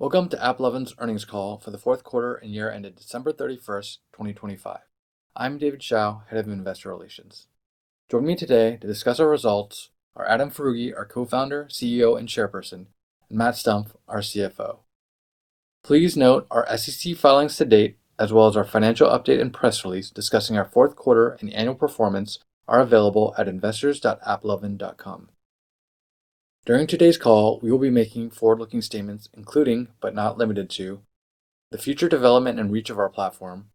Welcome to AppLovin's earnings call for the fourth quarter and year ended December 31, 2025. I'm David Hsiao, Head of Investor Relations. Joining me today to discuss our results are Adam Foroughi, our Co-Founder, CEO, and Chairperson, and Matt Stumpf, our CFO. Please note, our SEC filings to date, as well as our financial update and press release discussing our fourth quarter and annual performance, are available at investors.applovin.com. During today's call, we will be making forward-looking statements, including, but not limited to, the future development and reach of our platform,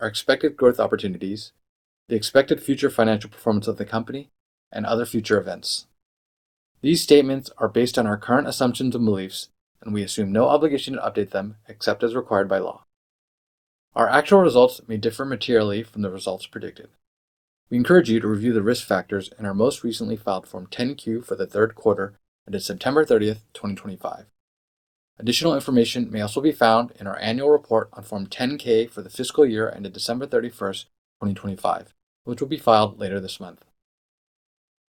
our expected growth opportunities, the expected future financial performance of the company, and other future events. These statements are based on our current assumptions and beliefs, and we assume no obligation to update them except as required by law. Our actual results may differ materially from the results predicted. We encourage you to review the risk factors in our most recently filed Form 10-Q for the third quarter ended September 30, 2025. Additional information may also be found in our annual report on Form 10-K for the fiscal year ended December 31, 2025, which will be filed later this month.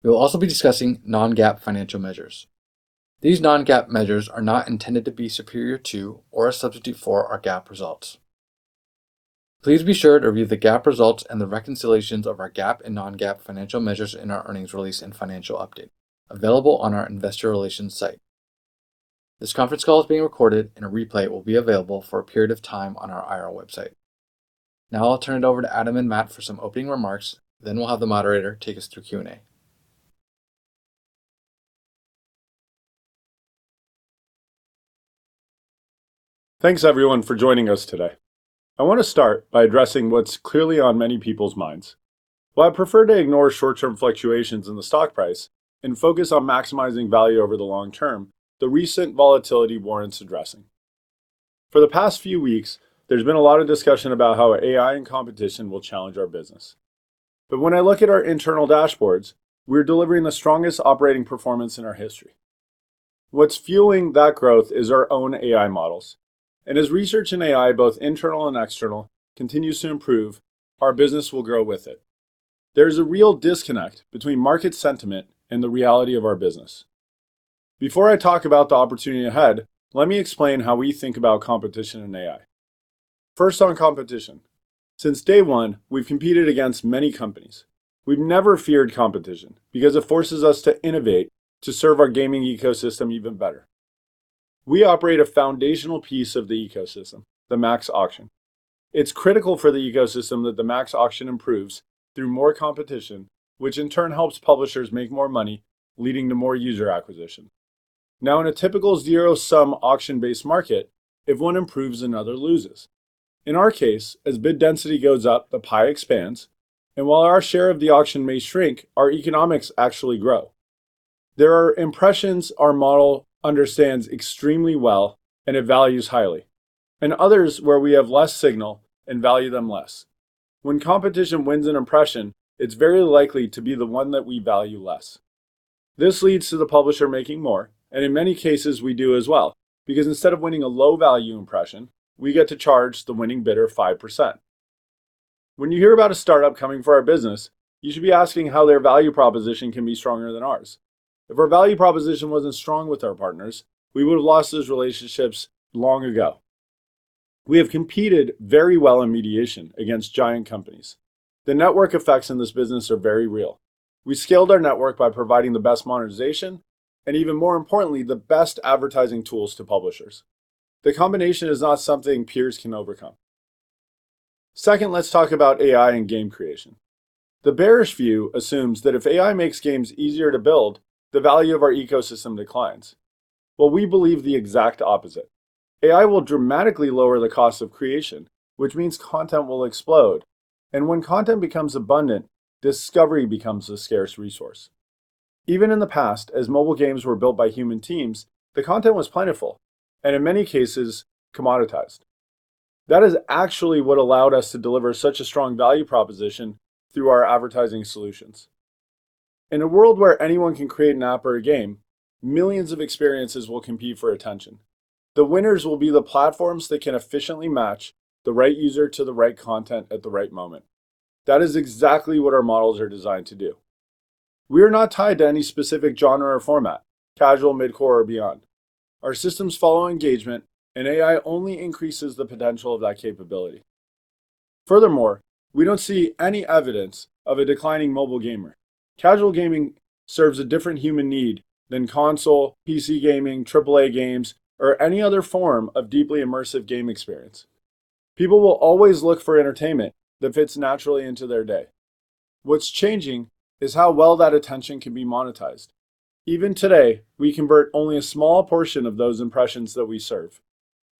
We will also be discussing Non-GAAP financial measures. These Non-GAAP measures are not intended to be superior to or a substitute for our GAAP results. Please be sure to review the GAAP results and the reconciliations of our GAAP and Non-GAAP financial measures in our earnings release and financial update, available on our investor relations site. This conference call is being recorded and a replay will be available for a period of time on our IR website. Now I'll turn it over to Adam and Matt for some opening remarks, then we'll have the moderator take us through Q&A. Thanks everyone for joining us today. I want to start by addressing what's clearly on many people's minds. While I prefer to ignore short-term fluctuations in the stock price and focus on maximizing value over the long term, the recent volatility warrants addressing. For the past few weeks, there's been a lot of discussion about how AI and competition will challenge our business. But when I look at our internal dashboards, we're delivering the strongest operating performance in our history. What's fueling that growth is our own AI models, and as research in AI, both internal and external, continues to improve, our business will grow with it. There's a real disconnect between market sentiment and the reality of our business. Before I talk about the opportunity ahead, let me explain how we think about competition and AI. First, on competition. Since day one, we've competed against many companies. We've never feared competition, because it forces us to innovate, to serve our gaming ecosystem even better. We operate a foundational piece of the ecosystem, the MAX auction. It's critical for the ecosystem that the MAX auction improves through more competition, which in turn helps publishers make more money, leading to more user acquisition. Now, in a typical zero-sum, auction-based market, if one improves, another loses. In our case, as bid density goes up, the pie expands, and while our share of the auction may shrink, our economics actually grow. There are impressions our model understands extremely well and it values highly, and others where we have less signal and value them less. When competition wins an impression, it's very likely to be the one that we value less. This leads to the publisher making more, and in many cases, we do as well, because instead of winning a low-value impression, we get to charge the winning bidder 5%. When you hear about a startup coming for our business, you should be asking how their value proposition can be stronger than ours. If our value proposition wasn't strong with our partners, we would have lost those relationships long ago. We have competed very well in mediation against giant companies. The network effects in this business are very real. We scaled our network by providing the best monetization and, even more importantly, the best advertising tools to publishers. The combination is not something peers can overcome. Second, let's talk about AI and game creation. The bearish view assumes that if AI makes games easier to build, the value of our ecosystem declines. Well, we believe the exact opposite. AI will dramatically lower the cost of creation, which means content will explode, and when content becomes abundant, discovery becomes a scarce resource. Even in the past, as mobile games were built by human teams, the content was plentiful and in many cases, commoditized. That is actually what allowed us to deliver such a strong value proposition through our advertising solutions. In a world where anyone can create an app or a game, millions of experiences will compete for attention. The winners will be the platforms that can efficiently match the right user to the right content at the right moment. That is exactly what our models are designed to do. We are not tied to any specific genre or format, casual, mid-core or beyond. Our systems follow engagement, and AI only increases the potential of that capability. Furthermore, we don't see any evidence of a declining mobile gamer. Casual gaming serves a different human need than console, PC gaming, AAA games, or any other form of deeply immersive game experience. People will always look for entertainment that fits naturally into their day. What's changing is how well that attention can be monetized. Even today, we convert only a small portion of those impressions that we serve.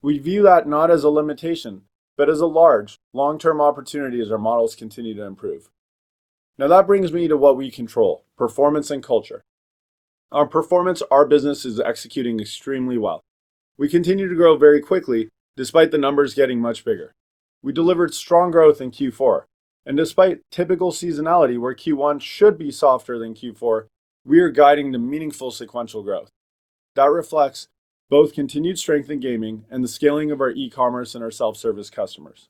We view that not as a limitation, but as a large, long-term opportunity as our models continue to improve. Now, that brings me to what we control: performance and culture. On performance, our business is executing extremely well. We continue to grow very quickly, despite the numbers getting much bigger. We delivered strong growth in Q4, and despite typical seasonality, where Q1 should be softer than Q4, we are guiding to meaningful sequential growth. That reflects both continued strength in gaming and the scaling of our e-commerce and our self-service customers....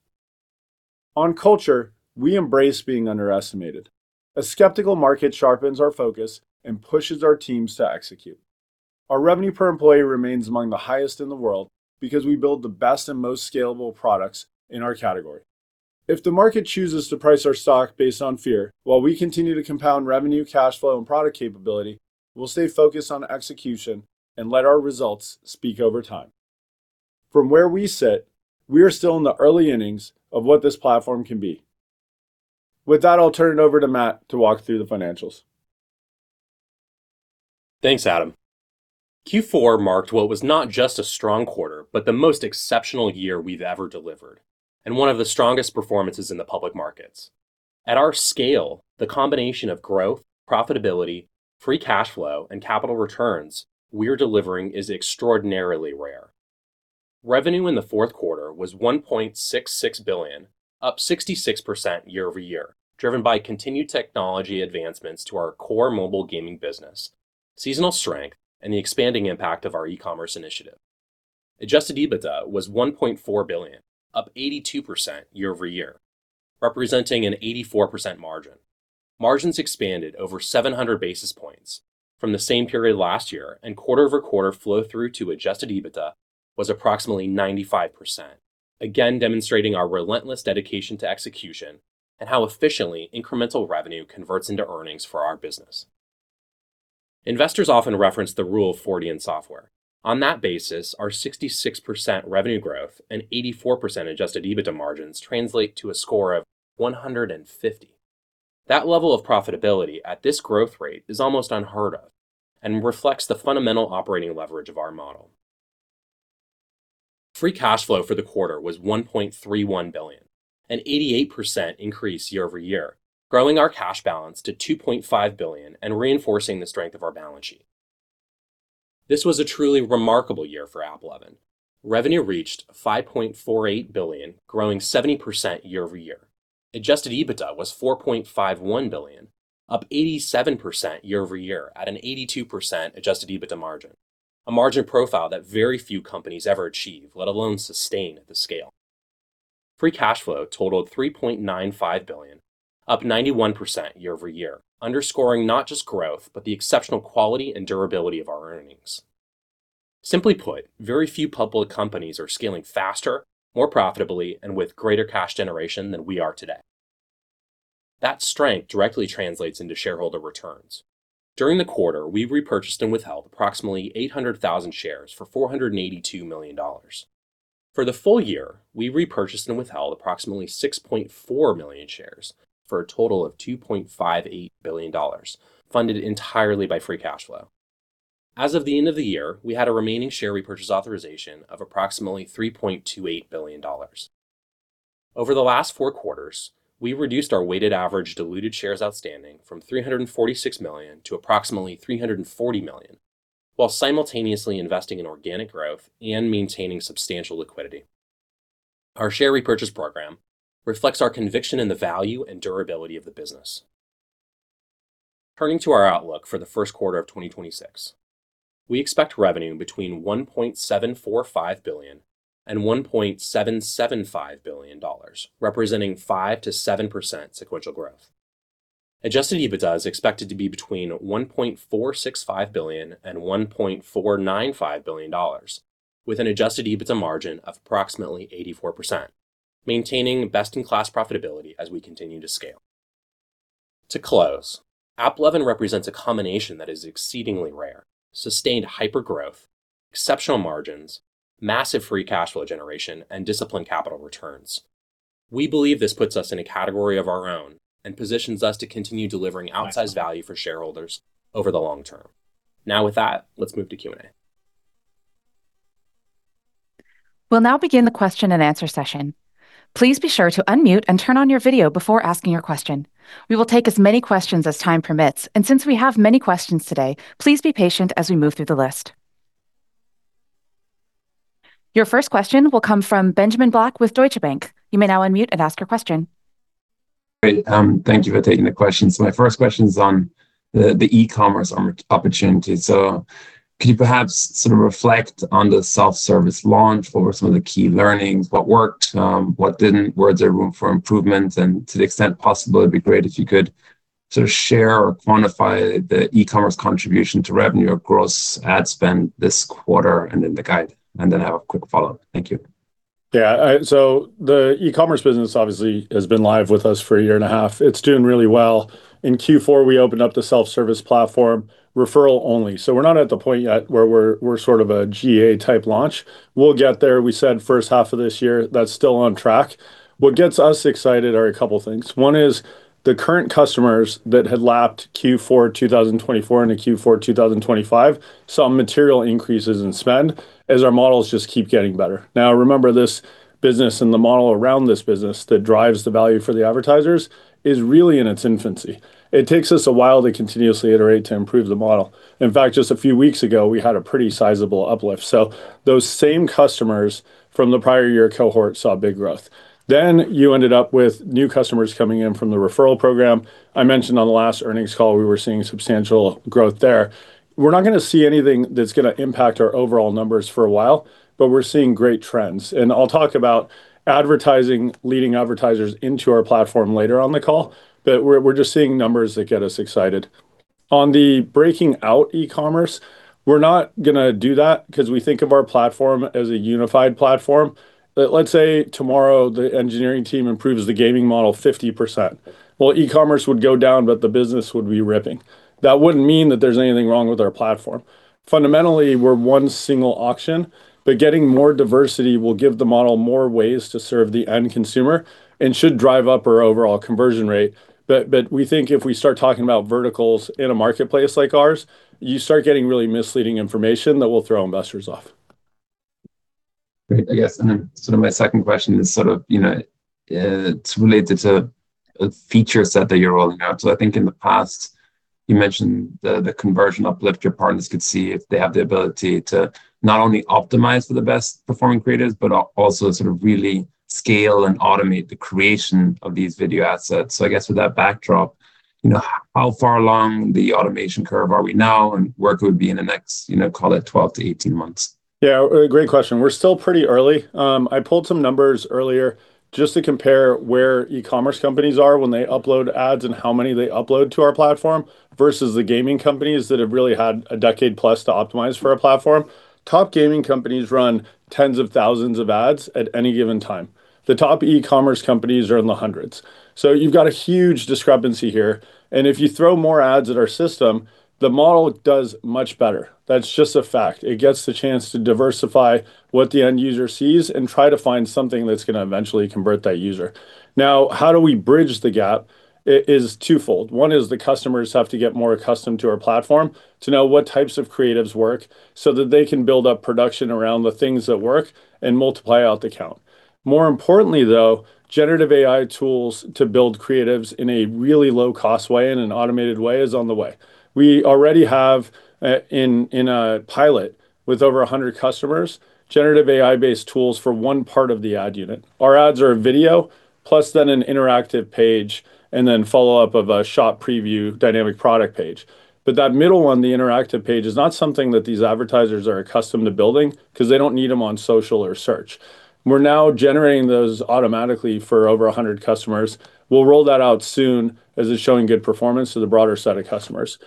On culture, we embrace being underestimated. A skeptical market sharpens our focus and pushes our teams to execute. Our revenue per employee remains among the highest in the world because we build the best and most scalable products in our category. If the market chooses to price our stock based on fear, while we continue to compound revenue, cash flow, and product capability, we'll stay focused on execution and let our results speak over time. From where we sit, we are still in the early innings of what this platform can be. With that, I'll turn it over to Matt to walk through the financials. Thanks, Adam. Q4 marked what was not just a strong quarter, but the most exceptional year we've ever delivered, and one of the strongest performances in the public markets. At our scale, the combination of growth, profitability, Free Cash Flow, and capital returns we're delivering is extraordinarily rare. Revenue in the fourth quarter was $1.66 billion, up 66% year-over-year, driven by continued technology advancements to our core mobile gaming business, seasonal strength, and the expanding impact of our e-commerce initiative. Adjusted EBITDA was $1.4 billion, up 82% year-over-year, representing an 84% margin. Margins expanded over 700 basis points from the same period last year, and quarter-over-quarter flow through to Adjusted EBITDA was approximately 95%. Again, demonstrating our relentless dedication to execution and how efficiently incremental revenue converts into earnings for our business. Investors often reference the Rule of Forty in software. On that basis, our 66% revenue growth and 84% Adjusted EBITDA margins translate to a score of 150. That level of profitability at this growth rate is almost unheard of and reflects the fundamental operating leverage of our model. Free Cash Flow for the quarter was $1.31 billion, an 88% increase year-over-year, growing our cash balance to $2.5 billion and reinforcing the strength of our balance sheet. This was a truly remarkable year for AppLovin. Revenue reached $5.48 billion, growing 70% year-over-year. Adjusted EBITDA was $4.51 billion, up 87% year-over-year, at an 82% Adjusted EBITDA margin. A margin profile that very few companies ever achieve, let alone sustain at the scale. Free cash flow totaled $3.95 billion, up 91% year-over-year, underscoring not just growth, but the exceptional quality and durability of our earnings. Simply put, very few public companies are scaling faster, more profitably, and with greater cash generation than we are today. That strength directly translates into shareholder returns. During the quarter, we repurchased and withheld approximately 800,000 shares for $482 million. For the full year, we repurchased and withheld approximately 6.4 million shares for a total of $2.58 billion, funded entirely by free cash flow. As of the end of the year, we had a remaining share repurchase authorization of approximately $3.28 billion. Over the last 4 quarters, we reduced our weighted average diluted shares outstanding from 346 million to approximately 340 million, while simultaneously investing in organic growth and maintaining substantial liquidity. Our share repurchase program reflects our conviction in the value and durability of the business. Turning to our outlook for the first quarter of 2026, we expect revenue between $1.745 billion and $1.775 billion, representing 5%-7% sequential growth. Adjusted EBITDA is expected to be between $1.465 billion and $1.495 billion, with an adjusted EBITDA margin of approximately 84%, maintaining best-in-class profitability as we continue to scale. To close, AppLovin represents a combination that is exceedingly rare: sustained hyper growth, exceptional margins, massive free cash flow generation, and disciplined capital returns. We believe this puts us in a category of our own and positions us to continue delivering outsized value for shareholders over the long term. Now, with that, let's move to Q&A. We'll now begin the question and answer session. Please be sure to unmute and turn on your video before asking your question. We will take as many questions as time permits, and since we have many questions today, please be patient as we move through the list. Your first question will come from Benjamin Black with Deutsche Bank. You may now unmute and ask your question. Great, thank you for taking the questions. My first question is on the e-commerce opportunity. So could you perhaps sort of reflect on the self-service launch? What were some of the key learnings, what worked, what didn't, where there's room for improvement? And to the extent possible, it'd be great if you could sort of share or quantify the e-commerce contribution to revenue or gross ad spend this quarter, and then the guide. And then I have a quick follow-up. Thank you. Yeah, so the e-commerce business obviously has been live with us for a year and a half. It's doing really well. In Q4, we opened up the self-service platform, referral only. So we're not at the point yet where we're sort of a GA-type launch. We'll get there. We said first half of this year, that's still on track. What gets us excited are a couple things. One is the current customers that had lapped Q4 2024 into Q4 2025, saw material increases in spend as our models just keep getting better. Now, remember, this business and the model around this business that drives the value for the advertisers is really in its infancy. It takes us a while to continuously iterate to improve the model. In fact, just a few weeks ago, we had a pretty sizable uplift. So those same customers from the prior year cohort saw big growth. Then you ended up with new customers coming in from the referral program. I mentioned on the last earnings call, we were seeing substantial growth there. We're not gonna see anything that's gonna impact our overall numbers for a while, but we're seeing great trends. And I'll talk about advertising, leading advertisers into our platform later on the call, but we're, we're just seeing numbers that get us excited.... On the breaking out e-commerce, we're not gonna do that because we think of our platform as a unified platform. But let's say tomorrow, the engineering team improves the gaming model 50%. Well, e-commerce would go down, but the business would be ripping. That wouldn't mean that there's anything wrong with our platform. Fundamentally, we're one single auction, but getting more diversity will give the model more ways to serve the end consumer and should drive up our overall conversion rate. But we think if we start talking about verticals in a marketplace like ours, you start getting really misleading information that will throw investors off. Great. I guess, sort of my second question is sort of, you know, it's related to, feature set that you're rolling out. So I think in the past, you mentioned the, the conversion uplift your partners could see if they have the ability to not only optimize for the best performing creatives, but also sort of really scale and automate the creation of these video assets. So I guess with that backdrop, you know, how far along the automation curve are we now, and where could we be in the next, you know, call it 12-18 months? Yeah, a great question. We're still pretty early. I pulled some numbers earlier just to compare where e-commerce companies are when they upload ads and how many they upload to our platform, versus the gaming companies that have really had a decade plus to optimize for our platform. Top gaming companies run tens of thousands of ads at any given time. The top e-commerce companies are in the hundreds. So you've got a huge discrepancy here, and if you throw more ads at our system, the model does much better. That's just a fact. It gets the chance to diversify what the end user sees and try to find something that's gonna eventually convert that user. Now, how do we bridge the gap? It is twofold. One is the customers have to get more accustomed to our platform to know what types of creatives work, so that they can build up production around the things that work and multiply out the count. More importantly, though, generative AI tools to build creatives in a really low-cost way and an automated way is on the way. We already have in a pilot with over 100 customers, generative AI-based tools for one part of the ad unit. Our ads are a video, plus then an interactive page, and then follow-up of a shop preview dynamic product page. But that middle one, the interactive page, is not something that these advertisers are accustomed to building because they don't need them on social or search. We're now generating those automatically for over 100 customers. We'll roll that out soon, as it's showing good performance to the broader set of customers.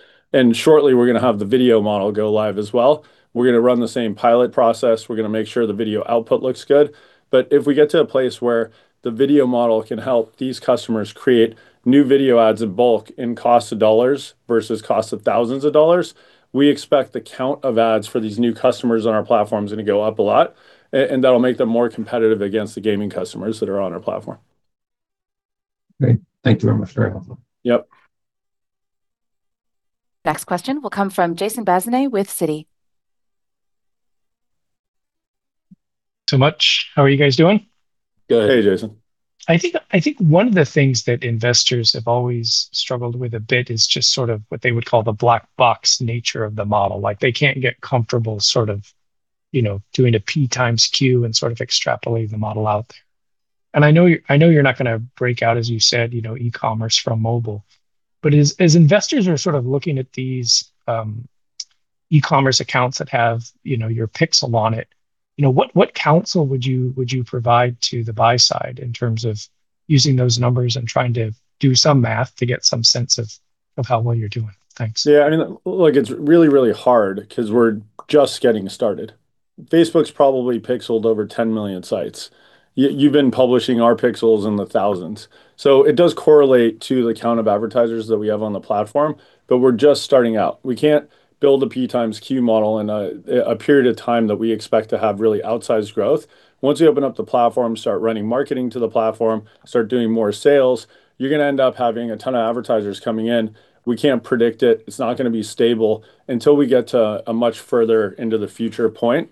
Shortly, we're gonna have the video model go live as well. We're gonna run the same pilot process. We're gonna make sure the video output looks good. But if we get to a place where the video model can help these customers create new video ads in bulk, in cost of dollars versus cost of thousands of dollars, we expect the count of ads for these new customers on our platform is gonna go up a lot, and that'll make them more competitive against the gaming customers that are on our platform. Great. Thank you very much. You're welcome. Yep. Next question will come from Jason Bazinet with Citi.... So much. How are you guys doing? Good. Hey, Jason. I think one of the things that investors have always struggled with a bit is just sort of what they would call the black box nature of the model. Like, they can't get comfortable sort of, you know, doing a P times Q and sort of extrapolating the model out. And I know you're not gonna break out, as you said, you know, e-commerce from mobile. But as investors are sort of looking at these e-commerce accounts that have, you know, your pixel on it, you know, what counsel would you provide to the buy side in terms of using those numbers and trying to do some math to get some sense of how well you're doing? Thanks. Yeah, I mean, look, it's really, really hard because we're just getting started. Facebook's probably pixeled over 10 million sites. You've been publishing our pixels in the thousands. So it does correlate to the count of advertisers that we have on the platform, but we're just starting out. We can't build a P times Q model in a period of time that we expect to have really outsized growth. Once we open up the platform, start running marketing to the platform, start doing more sales, you're gonna end up having a ton of advertisers coming in. We can't predict it. It's not gonna be stable until we get to a much further into the future point.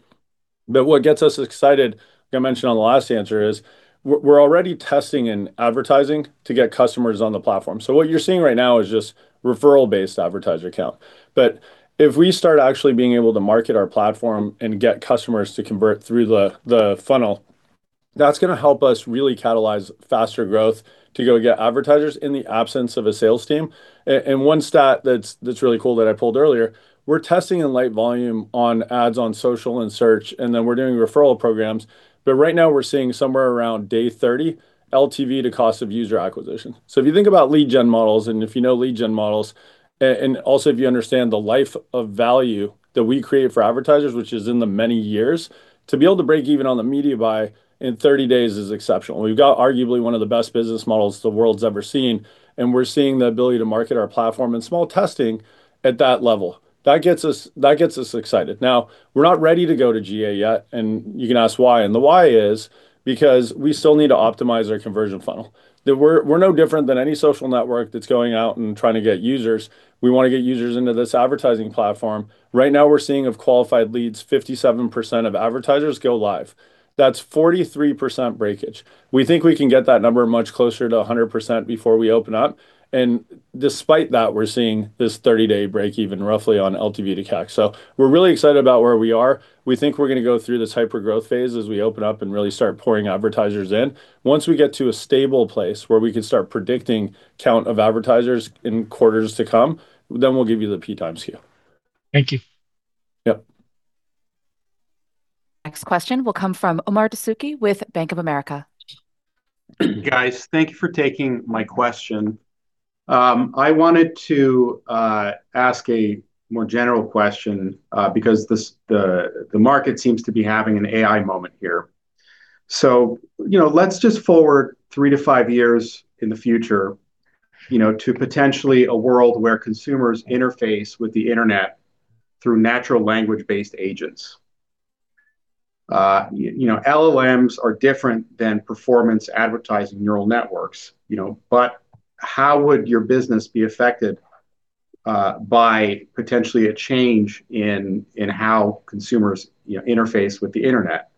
But what gets us excited, I mentioned on the last answer, is we're already testing in advertising to get customers on the platform. So what you're seeing right now is just referral-based advertiser count. But if we start actually being able to market our platform and get customers to convert through the funnel, that's gonna help us really catalyze faster growth to go get advertisers in the absence of a sales team. And one stat that's really cool that I pulled earlier, we're testing in light volume on ads on social and search, and then we're doing referral programs. But right now we're seeing somewhere around day 30, LTV to cost of user acquisition. So if you think about lead gen models, and if you know lead gen models, and also if you understand the life of value that we create for advertisers, which is in the many years, to be able to break even on the media buy in 30 days is exceptional. We've got arguably one of the best business models the world's ever seen, and we're seeing the ability to market our platform and small testing at that level. That gets us- that gets us excited. Now, we're not ready to go to GA yet, and you can ask why, and the why is because we still need to optimize our conversion funnel. That we're, we're no different than any social network that's going out and trying to get users. We wanna get users into this advertising platform. Right now, we're seeing of qualified leads, 57% of advertisers go live. That's 43% breakage. We think we can get that number much closer to a 100% before we open up, and despite that, we're seeing this 30-day break even roughly on LTV to CAC. So we're really excited about where we are. We think we're gonna go through this hyper-growth phase as we open up and really start pouring advertisers in. Once we get to a stable place where we can start predicting count of advertisers in quarters to come, then we'll give you the P times Q. Thank you. Yep.... Next question will come from Omar Dessouky with Bank of America. Guys, thank you for taking my question. I wanted to ask a more general question, because the market seems to be having an AI moment here. So, you know, let's just forward 3-5 years in the future, you know, to potentially a world where consumers interface with the internet through natural language-based agents. You know, LLMs are different than performance advertising neural networks, you know, but how would your business be affected by potentially a change in how consumers, you know, interface with the internet?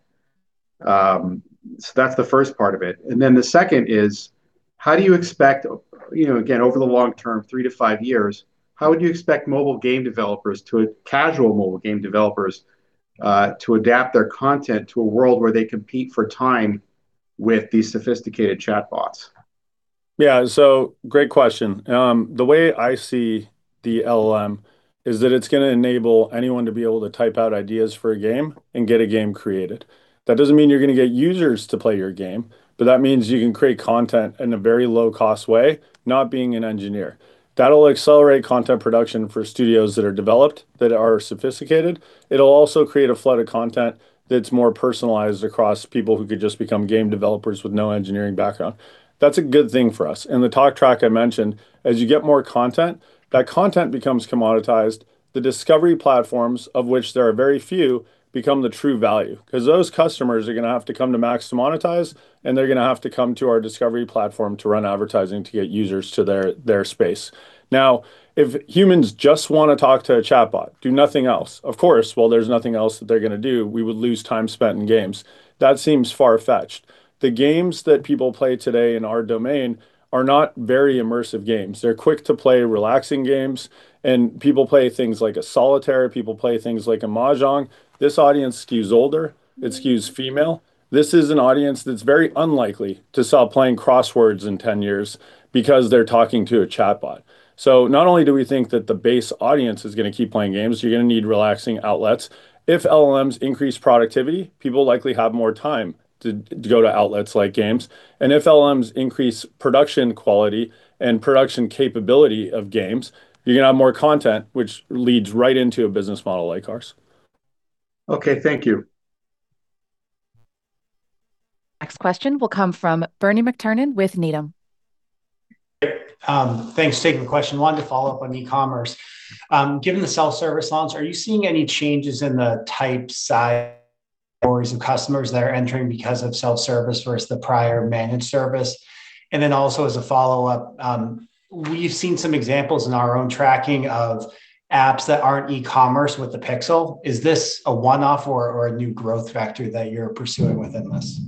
So that's the first part of it, and then the second is, how do you expect, you know, again, over the long term, 3-5 years, how would you expect mobile game developers to... Casual mobile game developers, to adapt their content to a world where they compete for time with these sophisticated chatbots? Yeah, so great question. The way I see the LLM is that it's gonna enable anyone to be able to type out ideas for a game and get a game created. That doesn't mean you're gonna get users to play your game, but that means you can create content in a very low-cost way, not being an engineer. That'll accelerate content production for studios that are developed, that are sophisticated. It'll also create a flood of content that's more personalized across people who could just become game developers with no engineering background. That's a good thing for us. In the talk track I mentioned, as you get more content, that content becomes commoditized. The discovery platforms, of which there are very few, become the true value, 'cause those customers are gonna have to come to MAX to monetize, and they're gonna have to come to our discovery platform to run advertising to get users to their, their space. Now, if humans just wanna talk to a chatbot, do nothing else, of course, well, there's nothing else that they're gonna do, we would lose time spent in games. That seems far-fetched. The games that people play today in our domain are not very immersive games. They're quick to play, relaxing games, and people play things like a solitaire, people play things like a mahjong. This audience skews older, it skews female. This is an audience that's very unlikely to stop playing crosswords in ten years because they're talking to a chatbot. So not only do we think that the base audience is gonna keep playing games, you're gonna need relaxing outlets. If LLMs increase productivity, people likely have more time to go to outlets like games, and if LLMs increase production quality and production capability of games, you're gonna have more content, which leads right into a business model like ours. Okay, thank you. Next question will come from Bernie McTernan with Needham. Thanks. Taking the question, wanted to follow up on e-commerce. Given the self-service launch, are you seeing any changes in the type, size, or customers that are entering because of self-service versus the prior managed service? And then also, as a follow-up, we've seen some examples in our own tracking of apps that aren't e-commerce with the Pixel. Is this a one-off or a new growth factor that you're pursuing within this?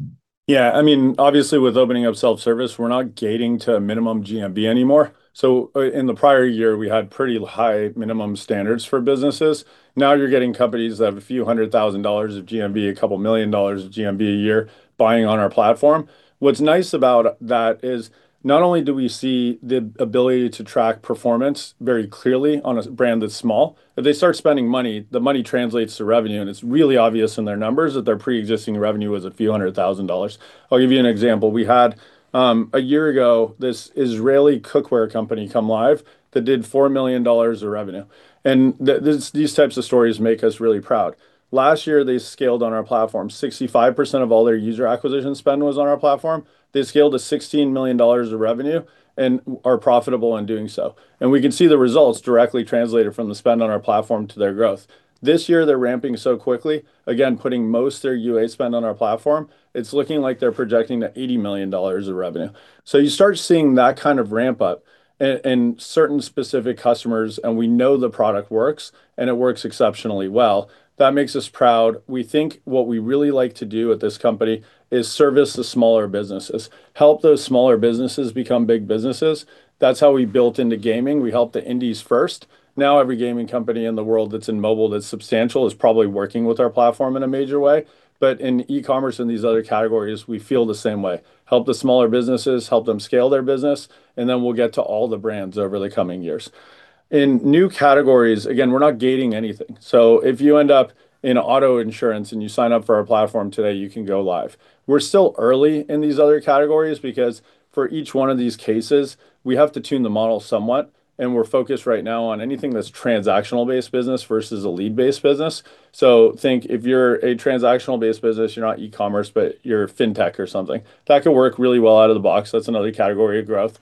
Yeah, I mean, obviously with opening up self-service, we're not gating to a minimum GMV anymore. So in the prior year, we had pretty high minimum standards for businesses. Now, you're getting companies that have $a few hundred thousand of GMV, $a couple million of GMV a year, buying on our platform. What's nice about that is not only do we see the ability to track performance very clearly on a brand that's small, if they start spending money, the money translates to revenue, and it's really obvious in their numbers that their pre-existing revenue was $a few hundred thousand. I'll give you an example: We had, a year ago, this Israeli cookware company come live that did $4 million of revenue, and these types of stories make us really proud. Last year, they scaled on our platform. 65% of all their user acquisition spend was on our platform. They scaled to $16 million of revenue and are profitable in doing so. We can see the results directly translated from the spend on our platform to their growth. This year, they're ramping so quickly, again, putting most of their UA spend on our platform. It's looking like they're projecting to $80 million of revenue. You start seeing that kind of ramp up in certain specific customers, and we know the product works, and it works exceptionally well. That makes us proud. We think what we really like to do at this company is service the smaller businesses, help those smaller businesses become big businesses. That's how we built into gaming. We helped the indies first. Now, every gaming company in the world that's in mobile, that's substantial, is probably working with our platform in a major way. But in e-commerce and these other categories, we feel the same way. Help the smaller businesses, help them scale their business, and then we'll get to all the brands over the coming years. In new categories, again, we're not gating anything. So if you end up in auto insurance and you sign up for our platform today, you can go live. We're still early in these other categories because for each one of these cases, we have to tune the model somewhat, and we're focused right now on anything that's transactional-based business versus a lead-based business. So think if you're a transactional-based business, you're not e-commerce, but you're fintech or something, that could work really well out of the box. That's another category of growth.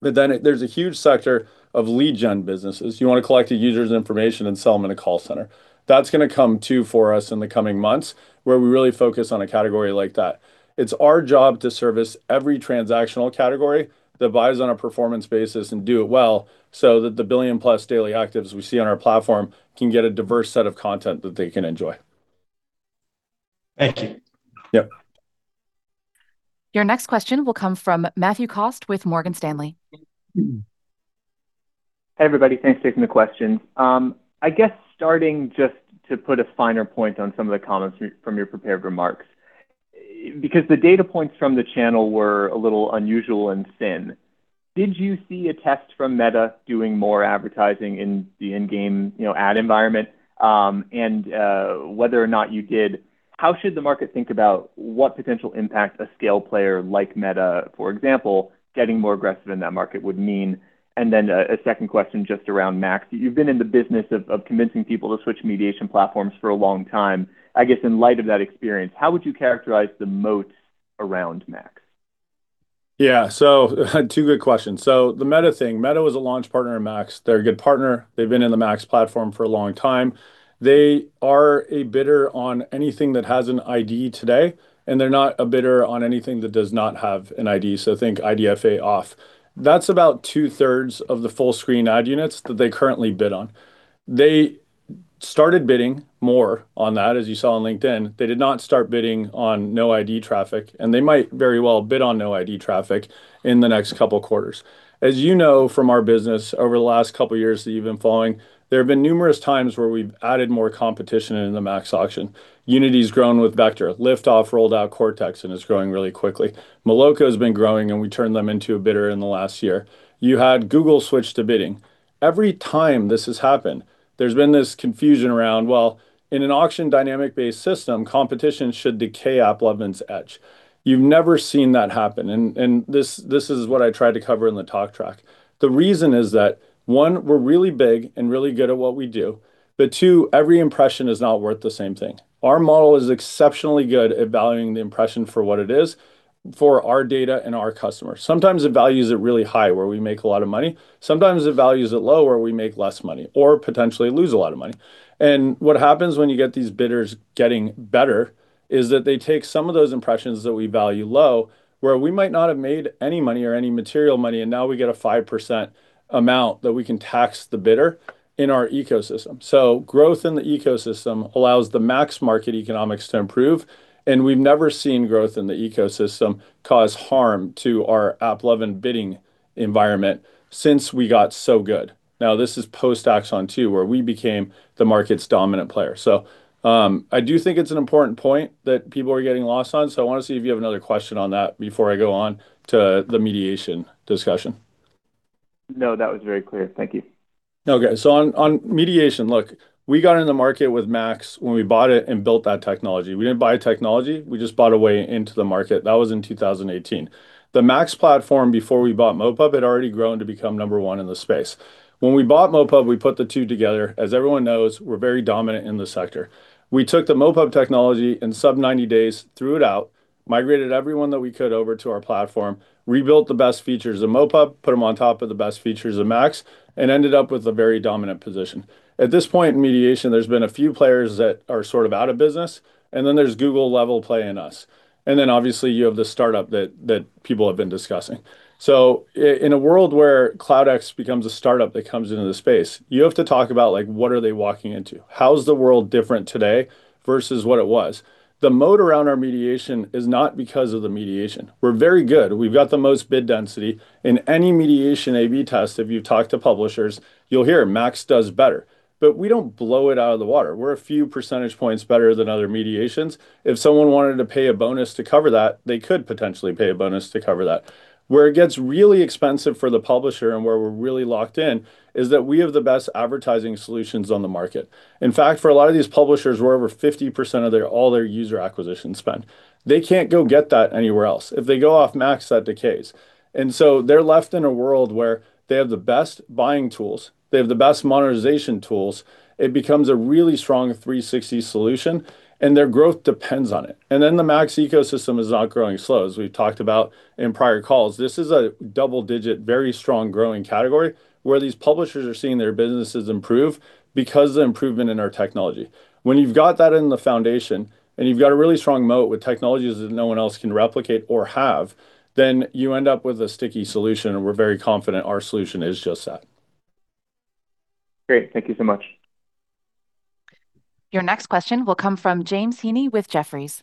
Then there's a huge sector of lead gen businesses. You wanna collect a user's information and sell them in a call center. That's gonna come too for us in the coming months, where we really focus on a category like that. It's our job to service every transactional category that buys on a performance basis and do it well, so that the 1 billion-plus daily actives we see on our platform can get a diverse set of content that they can enjoy. Thank you. Yep. Your next question will come from Matthew Cost with Morgan Stanley. Hey, everybody. Thanks for taking the question. I guess starting just to put a finer point on some of the comments from your prepared remarks. Because the data points from the channel were a little unusual and thin, did you see a test from Meta doing more advertising in the in-game, you know, ad environment? And whether or not you did, how should the market think about what potential impact a scale player like Meta, for example, getting more aggressive in that market would mean? And then a second question just around MAX. You've been in the business of convincing people to switch mediation platforms for a long time. I guess in light of that experience, how would you characterize the moat around MAX? Yeah. So two good questions. So the Meta thing, Meta was a launch partner in MAX. They're a good partner. They've been in the MAX platform for a long time. They are a bidder on anything that has an ID today, and they're not a bidder on anything that does not have an ID, so think IDFA off. That's about two-thirds of the full-screen ad units that they currently bid on. They started bidding more on that, as you saw on LinkedIn. They did not start bidding on no ID traffic, and they might very well bid on no ID traffic in the next couple of quarters. As you know from our business over the last couple of years that you've been following, there have been numerous times where we've added more competition in the MAX auction. Unity's grown with Vector. Liftoff rolled out Cortex, and it's growing really quickly. Moloco has been growing, and we turned them into a bidder in the last year. You had Google switch to bidding. Every time this has happened, there's been this confusion around, well, in an auction dynamic-based system, competition should decay AppLovin's edge. You've never seen that happen, and, and this, this is what I tried to cover in the talk track. The reason is that, one, we're really big and really good at what we do, but two, every impression is not worth the same thing. Our model is exceptionally good at valuing the impression for what it is for our data and our customers. Sometimes it values it really high, where we make a lot of money, sometimes it values it low, where we make less money or potentially lose a lot of money. What happens when you get these bidders getting better is that they take some of those impressions that we value low, where we might not have made any money or any material money, and now we get a 5% amount that we can tax the bidder in our ecosystem. So growth in the ecosystem allows the MAX market economics to improve, and we've never seen growth in the ecosystem cause harm to our AppLovin bidding environment since we got so good. Now, this is post-AXON 2.0, where we became the market's dominant player. So, I do think it's an important point that people are getting lost on, so I want to see if you have another question on that before I go on to the mediation discussion. No, that was very clear. Thank you. Okay, so on mediation, look, we got in the market with MAX when we bought it and built that technology. We didn't buy a technology. We just bought a way into the market. That was in 2018. The MAX platform before we bought MoPub had already grown to become number one in the space. When we bought MoPub, we put the two together. As everyone knows, we're very dominant in the sector. We took the MoPub technology in sub 90 days, threw it out, migrated everyone that we could over to our platform, rebuilt the best features of MoPub, put them on top of the best features of MAX, and ended up with a very dominant position. At this point in mediation, there's been a few players that are sort of out of business, and then there's Google, LevelPlay and us. And then obviously, you have the startup that people have been discussing. So in a world where Cloud X becomes a startup that comes into the space, you have to talk about, like, what are they walking into? How is the world different today versus what it was? The moat around our mediation is not because of the mediation. We're very good. We've got the most bid density. In any mediation AB test, if you've talked to publishers, you'll hear MAX does better, but we don't blow it out of the water. We're a few percentage points better than other mediations. If someone wanted to pay a bonus to cover that, they could potentially pay a bonus to cover that. Where it gets really expensive for the publisher and where we're really locked in is that we have the best advertising solutions on the market. In fact, for a lot of these publishers, we're over 50% of their all their user acquisition spend. They can't go get that anywhere else. If they go off MAX, that decays. And so they're left in a world where they have the best buying tools, they have the best monetization tools. It becomes a really strong 360 solution, and their growth depends on it. And then the MAX ecosystem is not growing slow, as we've talked about in prior calls. This is a double-digit, very strong, growing category where these publishers are seeing their businesses improve because of the improvement in our technology. When you've got that in the foundation, and you've got a really strong moat with technologies that no one else can replicate or have, then you end up with a sticky solution, and we're very confident our solution is just that. Great. Thank you so much. Your next question will come from James Heaney with Jefferies.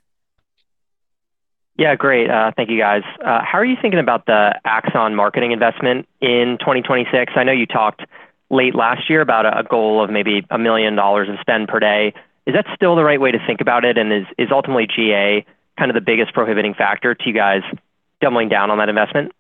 Yeah, great. Thank you, guys. How are you thinking about the AXON marketing investment in 2026? I know you talked late last year about a goal of maybe $1 million in spend per day. Is that still the right way to think about it, and is ultimately GA kind of the biggest prohibiting factor to you guys doubling down on that investment?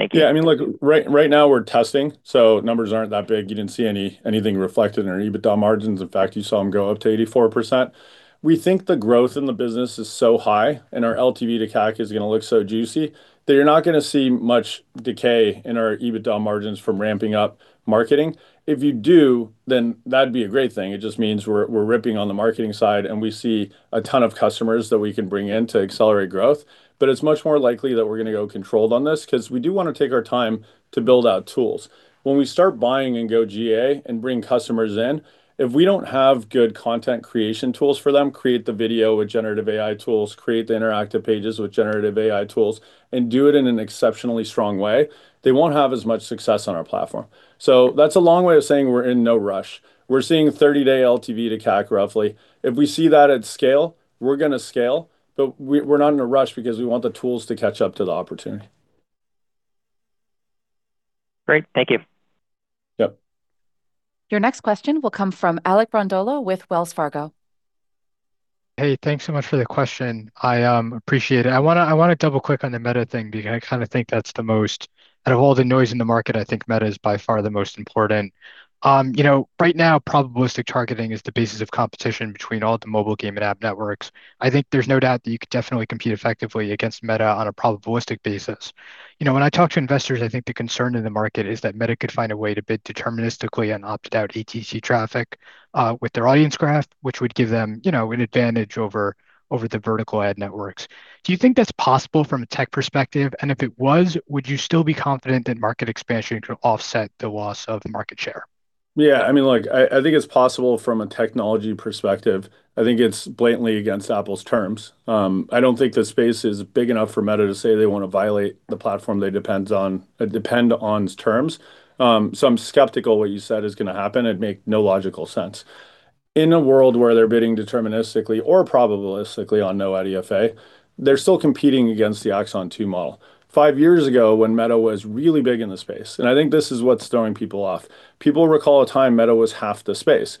Thank you. Yeah, I mean, look, right, right now we're testing, so numbers aren't that big. You didn't see anything reflected in our EBITDA margins. In fact, you saw them go up to 84%. We think the growth in the business is so high and our LTV to CAC is gonna look so juicy that you're not gonna see much decay in our EBITDA margins from ramping up marketing. If you do, then that'd be a great thing. It just means we're ripping on the marketing side, and we see a ton of customers that we can bring in to accelerate growth. But it's much more likely that we're gonna go controlled on this, 'cause we do wanna take our time to build out tools. When we start buying and go GA and bring customers in, if we don't have good content creation tools for them, create the video with generative AI tools, create the interactive pages with generative AI tools, and do it in an exceptionally strong way, they won't have as much success on our platform. So that's a long way of saying we're in no rush. We're seeing 30-day LTV to CAC, roughly. If we see that at scale, we're gonna scale, but we, we're not in a rush because we want the tools to catch up to the opportunity.... Great. Thank you. Yep. Your next question will come from Alec Brondolo with Wells Fargo. Hey, thanks so much for the question. I appreciate it. I wanna double-click on the Meta thing because I kinda think that's the most. Out of all the noise in the market, I think Meta is by far the most important. You know, right now, probabilistic targeting is the basis of competition between all the mobile game and app networks. I think there's no doubt that you could definitely compete effectively against Meta on a probabilistic basis. You know, when I talk to investors, I think the concern in the market is that Meta could find a way to bid deterministically and opt out ATT traffic with their audience graph, which would give them, you know, an advantage over the vertical ad networks. Do you think that's possible from a tech perspective? And if it was, would you still be confident that market expansion could offset the loss of market share? Yeah, I mean, look, I think it's possible from a technology perspective. I think it's blatantly against Apple's terms. I don't think the space is big enough for Meta to say they want to violate the platform they depends on, depend on's terms. So I'm skeptical what you said is gonna happen. It'd make no logical sense. In a world where they're bidding deterministically or probabilistically on no IDFA, they're still competing against the AXON 2 model. Five years ago, when Meta was really big in the space, and I think this is what's throwing people off, people recall a time Meta was half the space.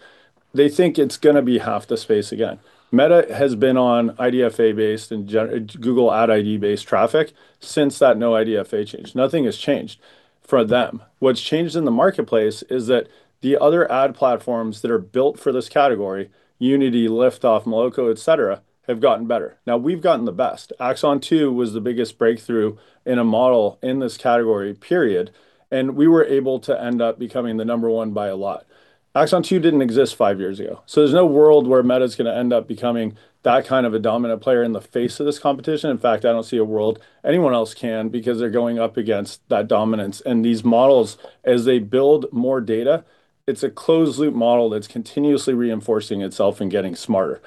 They think it's gonna be half the space again. Meta has been on IDFA-based and gen- Google ad ID-based traffic since that no IDFA change. Nothing has changed for them. What's changed in the marketplace is that the other ad platforms that are built for this category, Unity, Liftoff, Moloco, et cetera, have gotten better. Now, we've gotten the best. AXON 2 was the biggest breakthrough in a model in this category, period, and we were able to end up becoming the number one by a lot. AXON 2 didn't exist five years ago, so there's no world where Meta's gonna end up becoming that kind of a dominant player in the face of this competition. In fact, I don't see a world anyone else can, because they're going up against that dominance. And these models, as they build more data, it's a closed-loop model that's continuously reinforcing itself and getting smarter.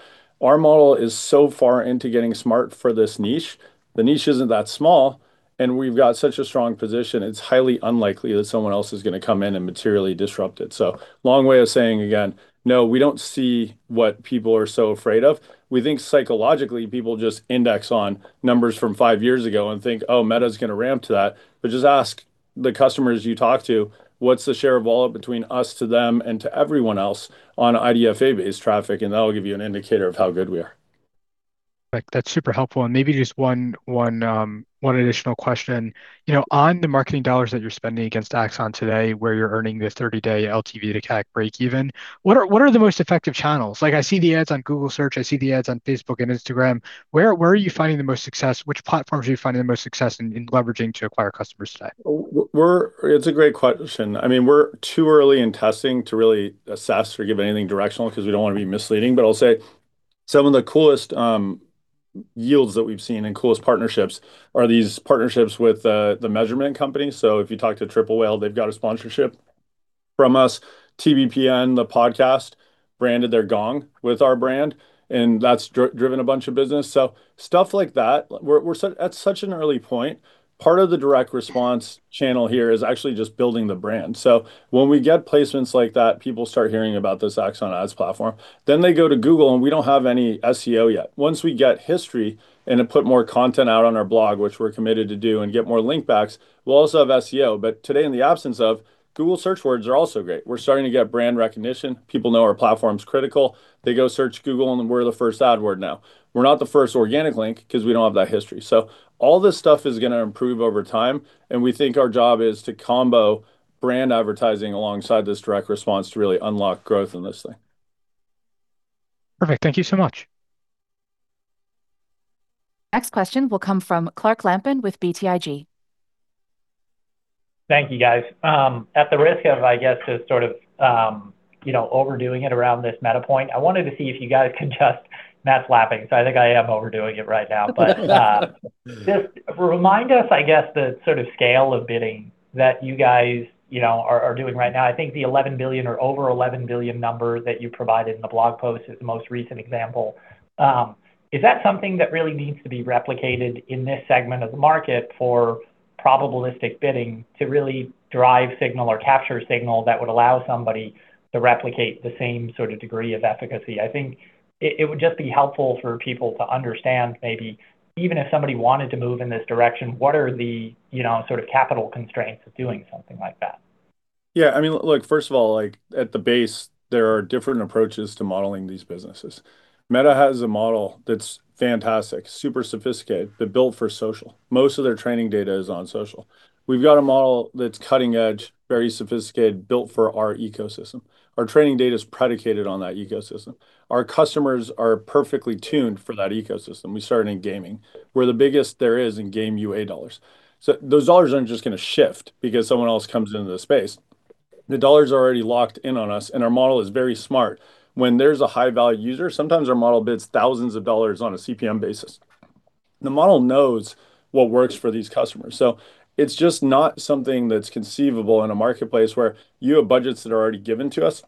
Our model is so far into getting smart for this niche, the niche isn't that small, and we've got such a strong position, it's highly unlikely that someone else is gonna come in and materially disrupt it. So long way of saying, again, no, we don't see what people are so afraid of. We think psychologically, people just index on numbers from five years ago and think, "Oh, Meta's gonna ramp to that." But just ask the customers you talk to, what's the share of wallet between us to them and to everyone else on IDFA-based traffic, and that'll give you an indicator of how good we are. Like, that's super helpful. And maybe just one additional question. You know, on the marketing dollars that you're spending against AXON today, where you're earning the 30-day LTV to CAC breakeven, what are the most effective channels? Like, I see the ads on Google Search, I see the ads on Facebook and Instagram. Where are you finding the most success? Which platforms are you finding the most success in, in leveraging to acquire customers today? We're. It's a great question. I mean, we're too early in testing to really assess or give anything directional, 'cause we don't want to be misleading. But I'll say, some of the coolest yields that we've seen and coolest partnerships are these partnerships with the measurement companies. So if you talk to Triple Whale, they've got a sponsorship from us. TBPN, the podcast, branded their gong with our brand, and that's driven a bunch of business. So stuff like that. We're at such an early point, part of the direct response channel here is actually just building the brand. So when we get placements like that, people start hearing about this AXON ads platform, then they go to Google, and we don't have any SEO yet. Once we get history and then put more content out on our blog, which we're committed to do, and get more link backs, we'll also have SEO. But today, in the absence of, Google search words are also great. We're starting to get brand recognition. People know our platform's critical. They go search Google, and we're the first ad word now. We're not the first organic link, 'cause we don't have that history. So all this stuff is gonna improve over time, and we think our job is to combo brand advertising alongside this direct response to really unlock growth in this thing. Perfect. Thank you so much. Next question will come from Clark Lampen with BTIG. Thank you, guys. At the risk of, I guess, just sort of, you know, overdoing it around this Meta point, I wanted to see if you guys could just... Matt's laughing, so I think I am overdoing it right now. But just remind us, I guess, the sort of scale of bidding that you guys, you know, are doing right now. I think the 11 billion or over 11 billion number that you provided in the blog post is the most recent example. Is that something that really needs to be replicated in this segment of the market for probabilistic bidding to really drive signal or capture signal that would allow somebody to replicate the same sort of degree of efficacy? I think it would just be helpful for people to understand maybe, even if somebody wanted to move in this direction, what are the, you know, sort of capital constraints of doing something like that? Yeah, I mean, look, first of all, like, at the base, there are different approaches to modeling these businesses. Meta has a model that's fantastic, super sophisticated, but built for social. Most of their training data is on social. We've got a model that's cutting-edge, very sophisticated, built for our ecosystem. Our training data is predicated on that ecosystem. Our customers are perfectly tuned for that ecosystem. We started in gaming. We're the biggest there is in game UA dollars. So those dollars aren't just gonna shift because someone else comes into the space. The dollars are already locked in on us, and our model is very smart. When there's a high-value user, sometimes our model bids thousands of dollars on a CPM basis. The model knows what works for these customers. So it's just not something that's conceivable in a marketplace where you have budgets that are already given to us,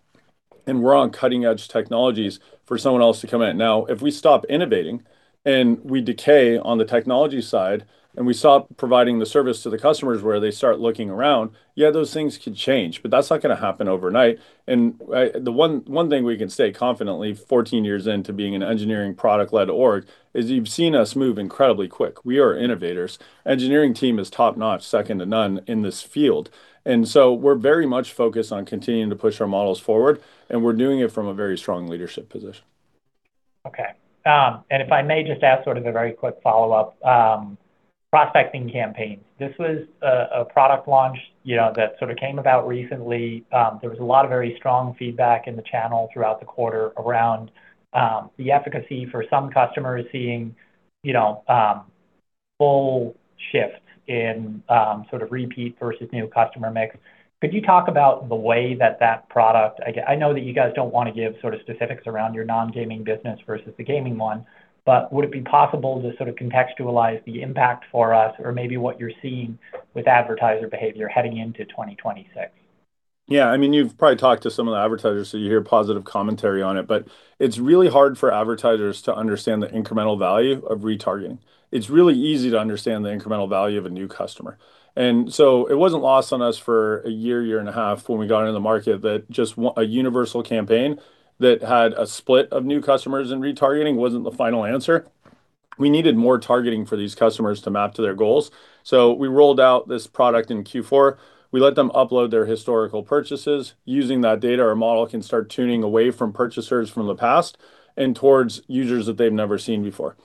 and we're on cutting-edge technologies for someone else to come in. Now, if we stop innovating and we decay on the technology side, and we stop providing the service to the customers where they start looking around, yeah, those things could change, but that's not gonna happen overnight. And, the one thing we can say confidently, 14 years into being an engineering product-led org, is you've seen us move incredibly quick. We are innovators. Engineering team is top-notch, second to none in this field. And so we're very much focused on continuing to push our models forward, and we're doing it from a very strong leadership position.... Okay, and if I may just ask sort of a very quick follow-up. Prospecting campaigns, this was a product launch, you know, that sort of came about recently. There was a lot of very strong feedback in the channel throughout the quarter around the efficacy for some customers seeing, you know, full shift in sort of repeat versus new customer mix. Could you talk about the way that that product- I know that you guys don't want to give sort of specifics around your non-gaming business versus the gaming one, but would it be possible to sort of contextualize the impact for us or maybe what you're seeing with advertiser behavior heading into 2026? Yeah, I mean, you've probably talked to some of the advertisers, so you hear positive commentary on it, but it's really hard for advertisers to understand the incremental value of retargeting. It's really easy to understand the incremental value of a new customer. And so it wasn't lost on us for a year, year and a half, when we got into the market, that just a universal campaign that had a split of new customers and retargeting wasn't the final answer. We needed more targeting for these customers to map to their goals. So we rolled out this product in Q4. We let them upload their historical purchases. Using that data, our model can start tuning away from purchasers from the past and towards users that they've never seen before.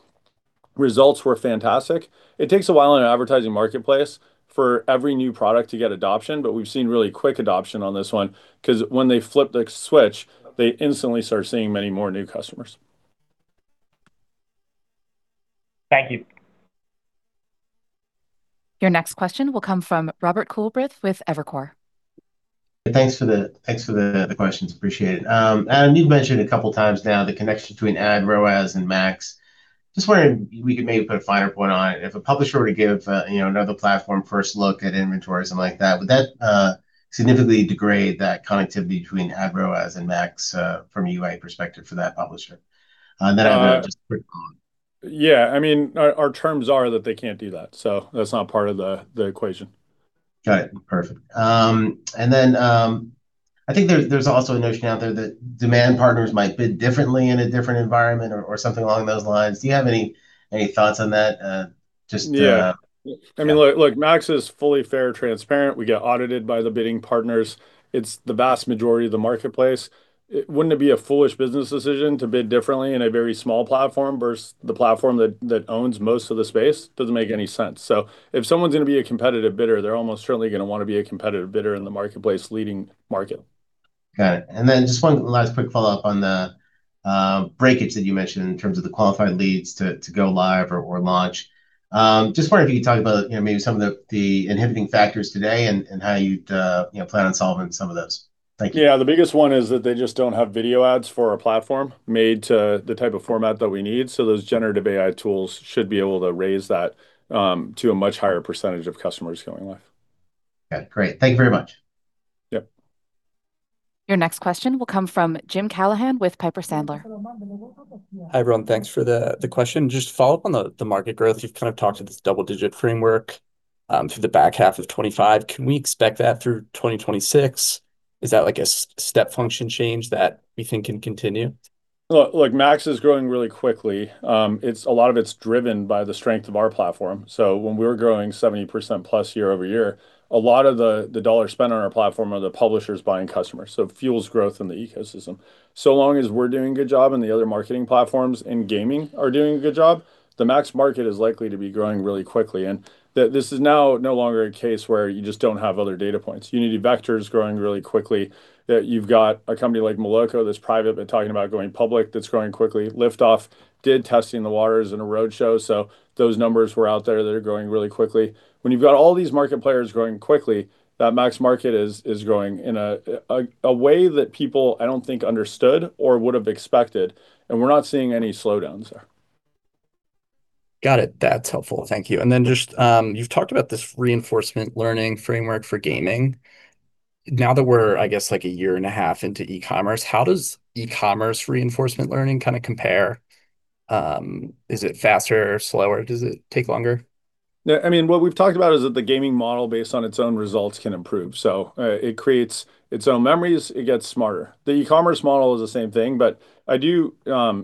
Results were fantastic. It takes a while in an advertising marketplace for every new product to get adoption, but we've seen really quick adoption on this one, 'cause when they flip the switch, they instantly start seeing many more new customers. Thank you. Your next question will come from Robert Coolbrith with Evercore. Thanks for the questions. Appreciate it. Adam, you've mentioned a couple of times now the connection between Ad ROAS and MAX. Just wondering if we could maybe put a finer point on it. If a publisher were to give, you know, another platform first look at inventory, something like that, would that significantly degrade that connectivity between Ad ROAS and MAX from a UI perspective for that publisher? And then I have just a quick follow-on. Yeah, I mean, our terms are that they can't do that, so that's not part of the equation. Got it. Perfect. And then, I think there's also a notion out there that demand partners might bid differently in a different environment or something along those lines. Do you have any thoughts on that? Just, Yeah. Yeah. I mean, look, look, MAX is fully fair, transparent. We get audited by the bidding partners. It's the vast majority of the marketplace. It wouldn't be a foolish business decision to bid differently in a very small platform versus the platform that, that owns most of the space? Doesn't make any sense. So if someone's going to be a competitive bidder, they're almost certainly going to want to be a competitive bidder in the marketplace leading market. Got it, and then just one last quick follow-up on the breakage that you mentioned in terms of the qualified leads to go live or launch. Just wondering if you could talk about, you know, maybe some of the inhibiting factors today and how you'd you know, plan on solving some of those. Thank you. Yeah, the biggest one is that they just don't have video ads for our platform made to the type of format that we need, so those generative AI tools should be able to raise that to a much higher percentage of customers going live. Okay, great. Thank you very much. Yep. Your next question will come from Jim Callahan with Piper Sandler. Hi, everyone. Thanks for the question. Just to follow up on the market growth, you've kind of talked to this double-digit framework through the back half of 25. Can we expect that through 2026? Is that like a step function change that we think can continue? Look, look, MAX is growing really quickly. It's a lot of it's driven by the strength of our platform. So when we're growing 70% plus year-over-year, a lot of the dollars spent on our platform are the publishers buying customers, so it fuels growth in the ecosystem. So long as we're doing a good job and the other marketing platforms in gaming are doing a good job, the MAX market is likely to be growing really quickly. And this is now no longer a case where you just don't have other data points. Unity, Vungle is growing really quickly, that you've got a company like Moloco that's private, but talking about going public, that's growing quickly. Liftoff did testing the waters in a roadshow, so those numbers were out there. They're growing really quickly. When you've got all these market players growing quickly, that MAX market is growing in a way that people I don't think understood or would have expected, and we're not seeing any slowdowns there. Got it. That's helpful. Thank you. And then just, you've talked about this reinforcement learning framework for gaming. Now that we're, I guess, like a year and a half into e-commerce, how does e-commerce reinforcement learning kind of compare? Is it faster or slower? Does it take longer? Yeah, I mean, what we've talked about is that the gaming model, based on its own results, can improve. So, it creates its own memories. It gets smarter. The e-commerce model is the same thing, but I do,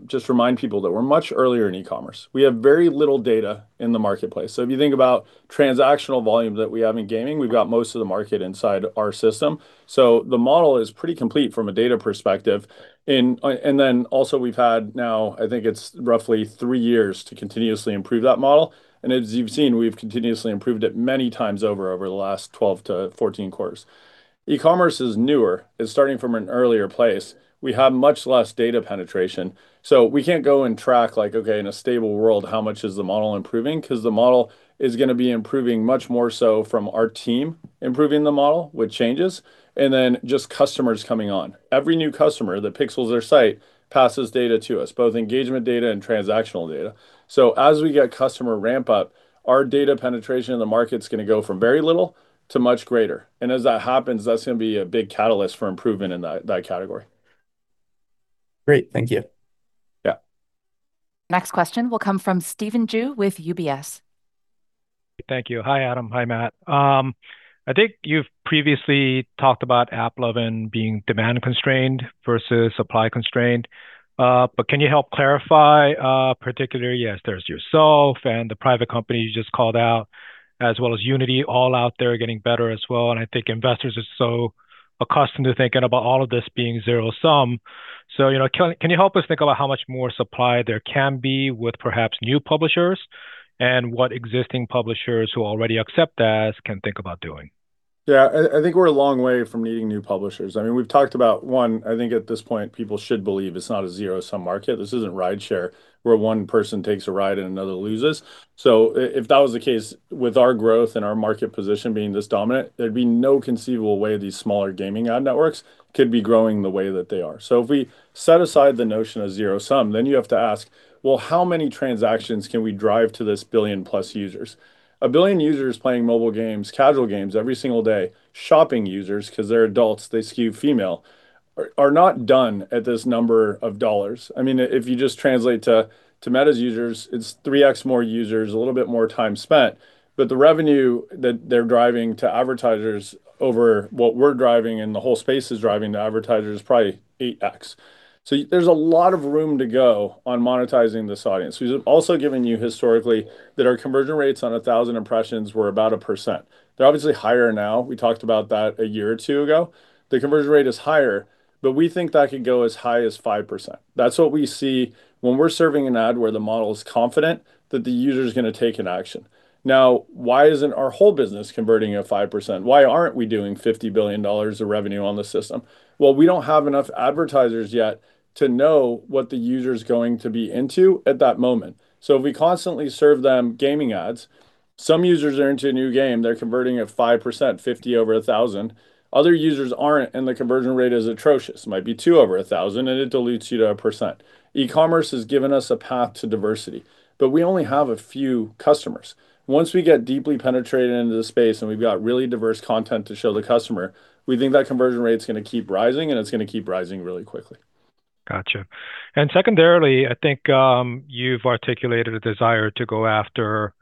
just remind people that we're much earlier in e-commerce. We have very little data in the marketplace. So if you think about transactional volume that we have in gaming, we've got most of the market inside our system. So the model is pretty complete from a data perspective. And, and then also, we've had now, I think it's roughly three years to continuously improve that model, and as you've seen, we've continuously improved it many times over, over the last 12-14 quarters. E-commerce is newer. It's starting from an earlier place. We have much less data penetration. So we can't go and track, like, okay, in a stable world, how much is the model improving? Because the model is going to be improving much more so from our team improving the model with changes, and then just customers coming on. Every new customer that pixels their site passes data to us, both engagement data and transactional data. So as we get customer ramp-up, our data penetration in the market's going to go from very little to much greater, and as that happens, that's going to be a big catalyst for improvement in that, that category. Great. Thank you. Yeah. Next question will come from Stephen Ju with UBS. Thank you. Hi, Adam. Hi, Matt. I think you've previously talked about AppLovin being demand constrained versus supply constrained, but can you help clarify, particularly, yes, there's yourself and the private company you just called out-... as well as Unity, all out there getting better as well, and I think investors are so accustomed to thinking about all of this being zero-sum. So, you know, can you help us think about how much more supply there can be with perhaps new publishers, and what existing publishers who already accept ads can think about doing? Yeah, I think we're a long way from needing new publishers. I mean, we've talked about, one, I think at this point, people should believe it's not a zero-sum market. This isn't rideshare, where one person takes a ride and another loses. So if that was the case, with our growth and our market position being this dominant, there'd be no conceivable way these smaller gaming ad networks could be growing the way that they are. So if we set aside the notion of zero-sum, then you have to ask: Well, how many transactions can we drive to this 1 billion-plus users? 1 billion users playing mobile games, casual games, every single day, shopping users, 'cause they're adults, they skew female, are not done at this number of dollars. I mean, if you just translate to Meta's users, it's 3x more users, a little bit more time spent, but the revenue that they're driving to advertisers over what we're driving and the whole space is driving to advertisers is probably 8x. So there's a lot of room to go on monetizing this audience. We've also given you historically, that our conversion rates on 1,000 impressions were about 1%. They're obviously higher now. We talked about that a year or two ago. The conversion rate is higher, but we think that could go as high as 5%. That's what we see when we're serving an ad where the model is confident that the user's gonna take an action. Now, why isn't our whole business converting at 5%? Why aren't we doing $50 billion of revenue on the system? Well, we don't have enough advertisers yet to know what the user's going to be into at that moment. So if we constantly serve them gaming ads, some users are into a new game, they're converting at 5%, 50 over 1,000. Other users aren't, and the conversion rate is atrocious, might be 2 over 1,000, and it dilutes you to 1%. E-commerce has given us a path to diversity, but we only have a few customers. Once we get deeply penetrated into the space, and we've got really diverse content to show the customer, we think that conversion rate's gonna keep rising, and it's gonna keep rising really quickly. Gotcha. And secondarily, I think, you've articulated a desire to go after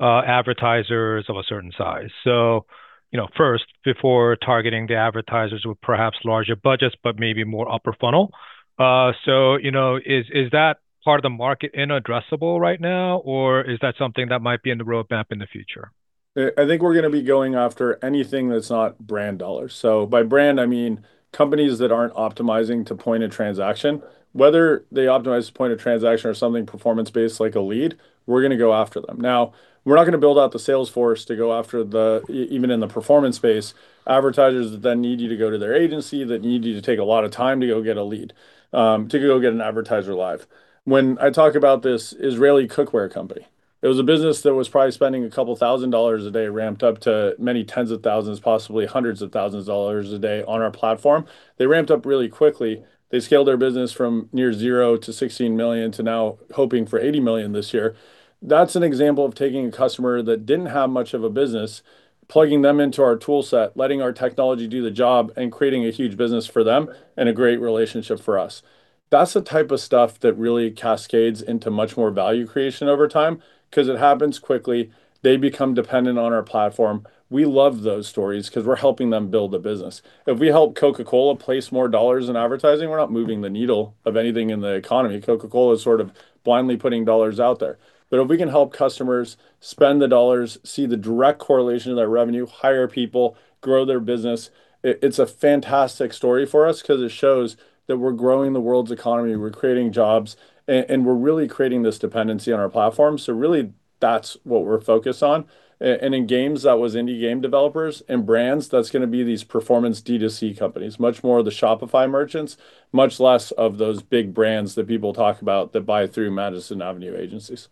advertisers of a certain size. So, you know, first, before targeting the advertisers with perhaps larger budgets, but maybe more upper funnel. So, you know, is that part of the market addressable right now, or is that something that might be in the roadmap in the future? I think we're gonna be going after anything that's not brand dollars. So by brand, I mean companies that aren't optimizing to point-of-transaction. Whether they optimize to point-of-transaction or something performance-based, like a lead, we're gonna go after them. Now, we're not gonna build out the sales force to go after even in the performance space, advertisers that then need you to go to their agency, that need you to take a lot of time to go get a lead, to go get an advertiser live. When I talk about this Israeli cookware company, it was a business that was probably spending $2,000 a day, ramped up to many tens of thousands, possibly hundreds of thousands of dollars a day on our platform. They ramped up really quickly. They scaled their business from near zero to $16 million, to now hoping for $80 million this year. That's an example of taking a customer that didn't have much of a business, plugging them into our toolset, letting our technology do the job, and creating a huge business for them and a great relationship for us. That's the type of stuff that really cascades into much more value creation over time, 'cause it happens quickly, they become dependent on our platform. We love those stories, 'cause we're helping them build a business. If we help Coca-Cola place more dollars in advertising, we're not moving the needle of anything in the economy. Coca-Cola is sort of blindly putting dollars out there. But if we can help customers spend the dollars, see the direct correlation to their revenue, hire people, grow their business, it's a fantastic story for us, 'cause it shows that we're growing the world's economy, we're creating jobs, and we're really creating this dependency on our platform, so really, that's what we're focused on. And in games, that was indie game developers, and brands, that's gonna be these performance D2C companies, much more of the Shopify merchants, much less of those big brands that people talk about that buy through Madison Avenue agencies.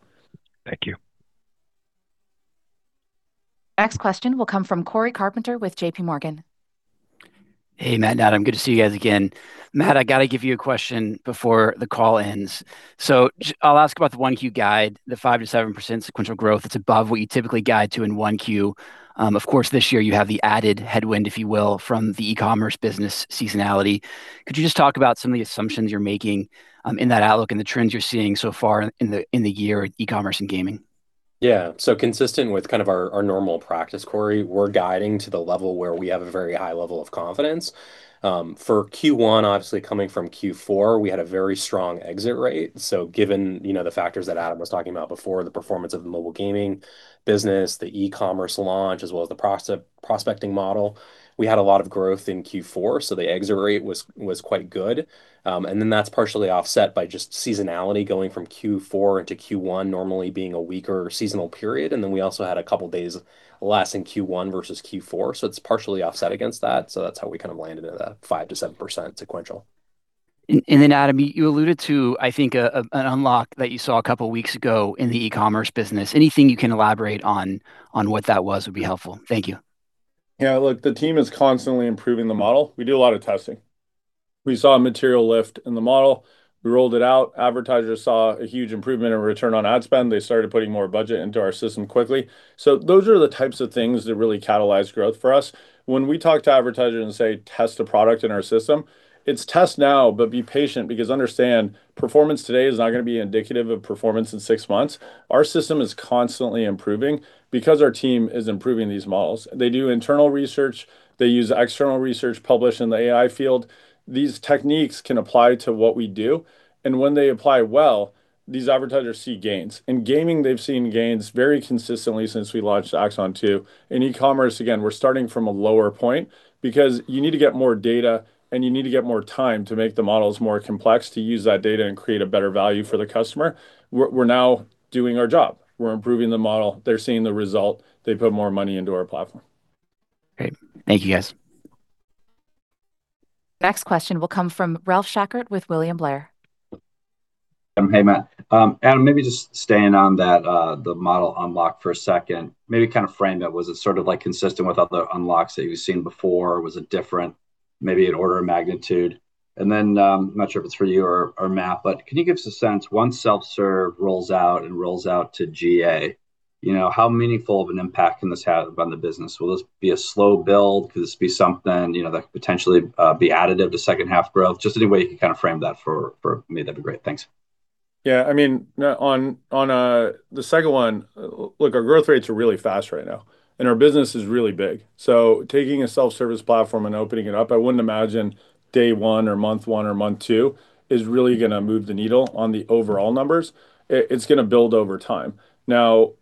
Thank you. Next question will come from Cory Carpenter with J.P. Morgan. Hey, Matt, Adam, good to see you guys again. Matt, I gotta give you a question before the call ends. So I'll ask about the 1Q guide, the 5%-7% sequential growth. It's above what you typically guide to in 1Q. Of course, this year you have the added headwind, if you will, from the e-commerce business seasonality. Could you just talk about some of the assumptions you're making in that outlook and the trends you're seeing so far in the year in e-commerce and gaming? Yeah. So consistent with kind of our normal practice, Cory, we're guiding to the level where we have a very high level of confidence. For Q1, obviously, coming from Q4, we had a very strong exit rate, so given, you know, the factors that Adam was talking about before, the performance of the mobile gaming business, the e-commerce launch, as well as the prospecting model, we had a lot of growth in Q4, so the exit rate was quite good. And then that's partially offset by just seasonality going from Q4 into Q1, normally being a weaker seasonal period, and then we also had a couple days less in Q1 versus Q4, so it's partially offset against that, so that's how we kind of landed at a 5%-7% sequential. And then, Adam, you alluded to, I think, an unlock that you saw a couple weeks ago in the e-commerce business. Anything you can elaborate on what that was would be helpful. Thank you. Yeah, look, the team is constantly improving the model. We do a lot of testing. We saw a material lift in the model. We rolled it out, advertisers saw a huge improvement in return on ad spend. They started putting more budget into our system quickly. So those are the types of things that really catalyze growth for us. When we talk to advertisers and say, "Test a product in our system," it's test now, but be patient, because understand, performance today is not gonna be indicative of performance in six months. Our system is constantly improving, because our team is improving these models. They do internal research, they use external research published in the AI field. These techniques can apply to what we do, and when they apply well, these advertisers see gains. In gaming, they've seen gains very consistently since we launched AXON 2. In e-commerce, again, we're starting from a lower point, because you need to get more data, and you need to get more time to make the models more complex, to use that data and create a better value for the customer. We're now doing our job. We're improving the model, they're seeing the result, they put more money into our platform. Great. Thank you, guys.... Next question will come from Ralph Schackart with William Blair. Hey, Matt. Adam, maybe just staying on that, the model unlock for a second, maybe kind of frame that. Was it sort of, like, consistent with other unlocks that you've seen before? Was it different, maybe an order of magnitude? And then, not sure if it's for you or, or Matt, but can you give us a sense, once self-serve rolls out and rolls out to GA, you know, how meaningful of an impact can this have on the business? Will this be a slow build? Could this be something, you know, that could potentially, be additive to second half growth? Just any way you can kind of frame that for, for me, that'd be great. Thanks. Yeah, I mean, now, on the second one, look, our growth rates are really fast right now, and our business is really big. So taking a self-service platform and opening it up, I wouldn't imagine day one or month one or month two is really gonna move the needle on the overall numbers. It, it's gonna build over time. Now,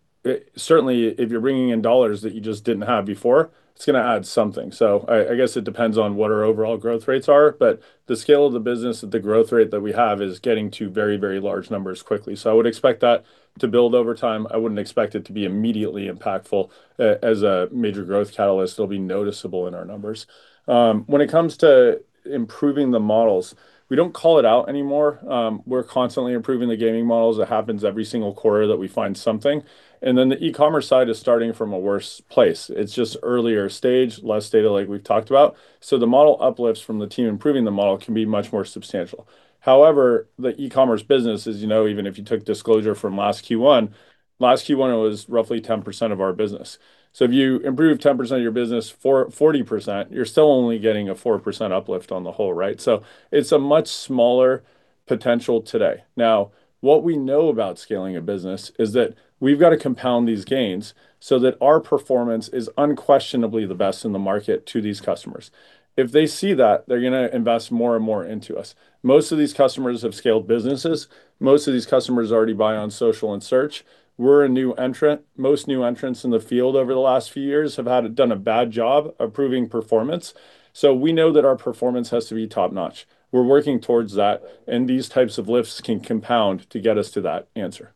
certainly, if you're bringing in dollars that you just didn't have before, it's gonna add something. So I, I guess it depends on what our overall growth rates are, but the scale of the business, the growth rate that we have is getting to very, very large numbers quickly. So I would expect that to build over time. I wouldn't expect it to be immediately impactful as a major growth catalyst, it'll be noticeable in our numbers. When it comes to improving the models, we don't call it out anymore. We're constantly improving the gaming models. It happens every single quarter that we find something, and then the e-commerce side is starting from a worse place. It's just earlier stage, less data, like we've talked about. So the model uplifts from the team improving the model can be much more substantial. However, the e-commerce business, as you know, even if you took disclosure from last Q1, last Q1, it was roughly 10% of our business. So if you improve 10% of your business for 40%, you're still only getting a 4% uplift on the whole, right? So it's a much smaller potential today. Now, what we know about scaling a business is that we've got to compound these gains so that our performance is unquestionably the best in the market to these customers. If they see that, they're gonna invest more and more into us. Most of these customers have scaled businesses. Most of these customers already buy on social and search. We're a new entrant. Most new entrants in the field over the last few years have had, done a bad job of proving performance, so we know that our performance has to be top-notch. We're working towards that, and these types of lifts can compound to get us to that answer.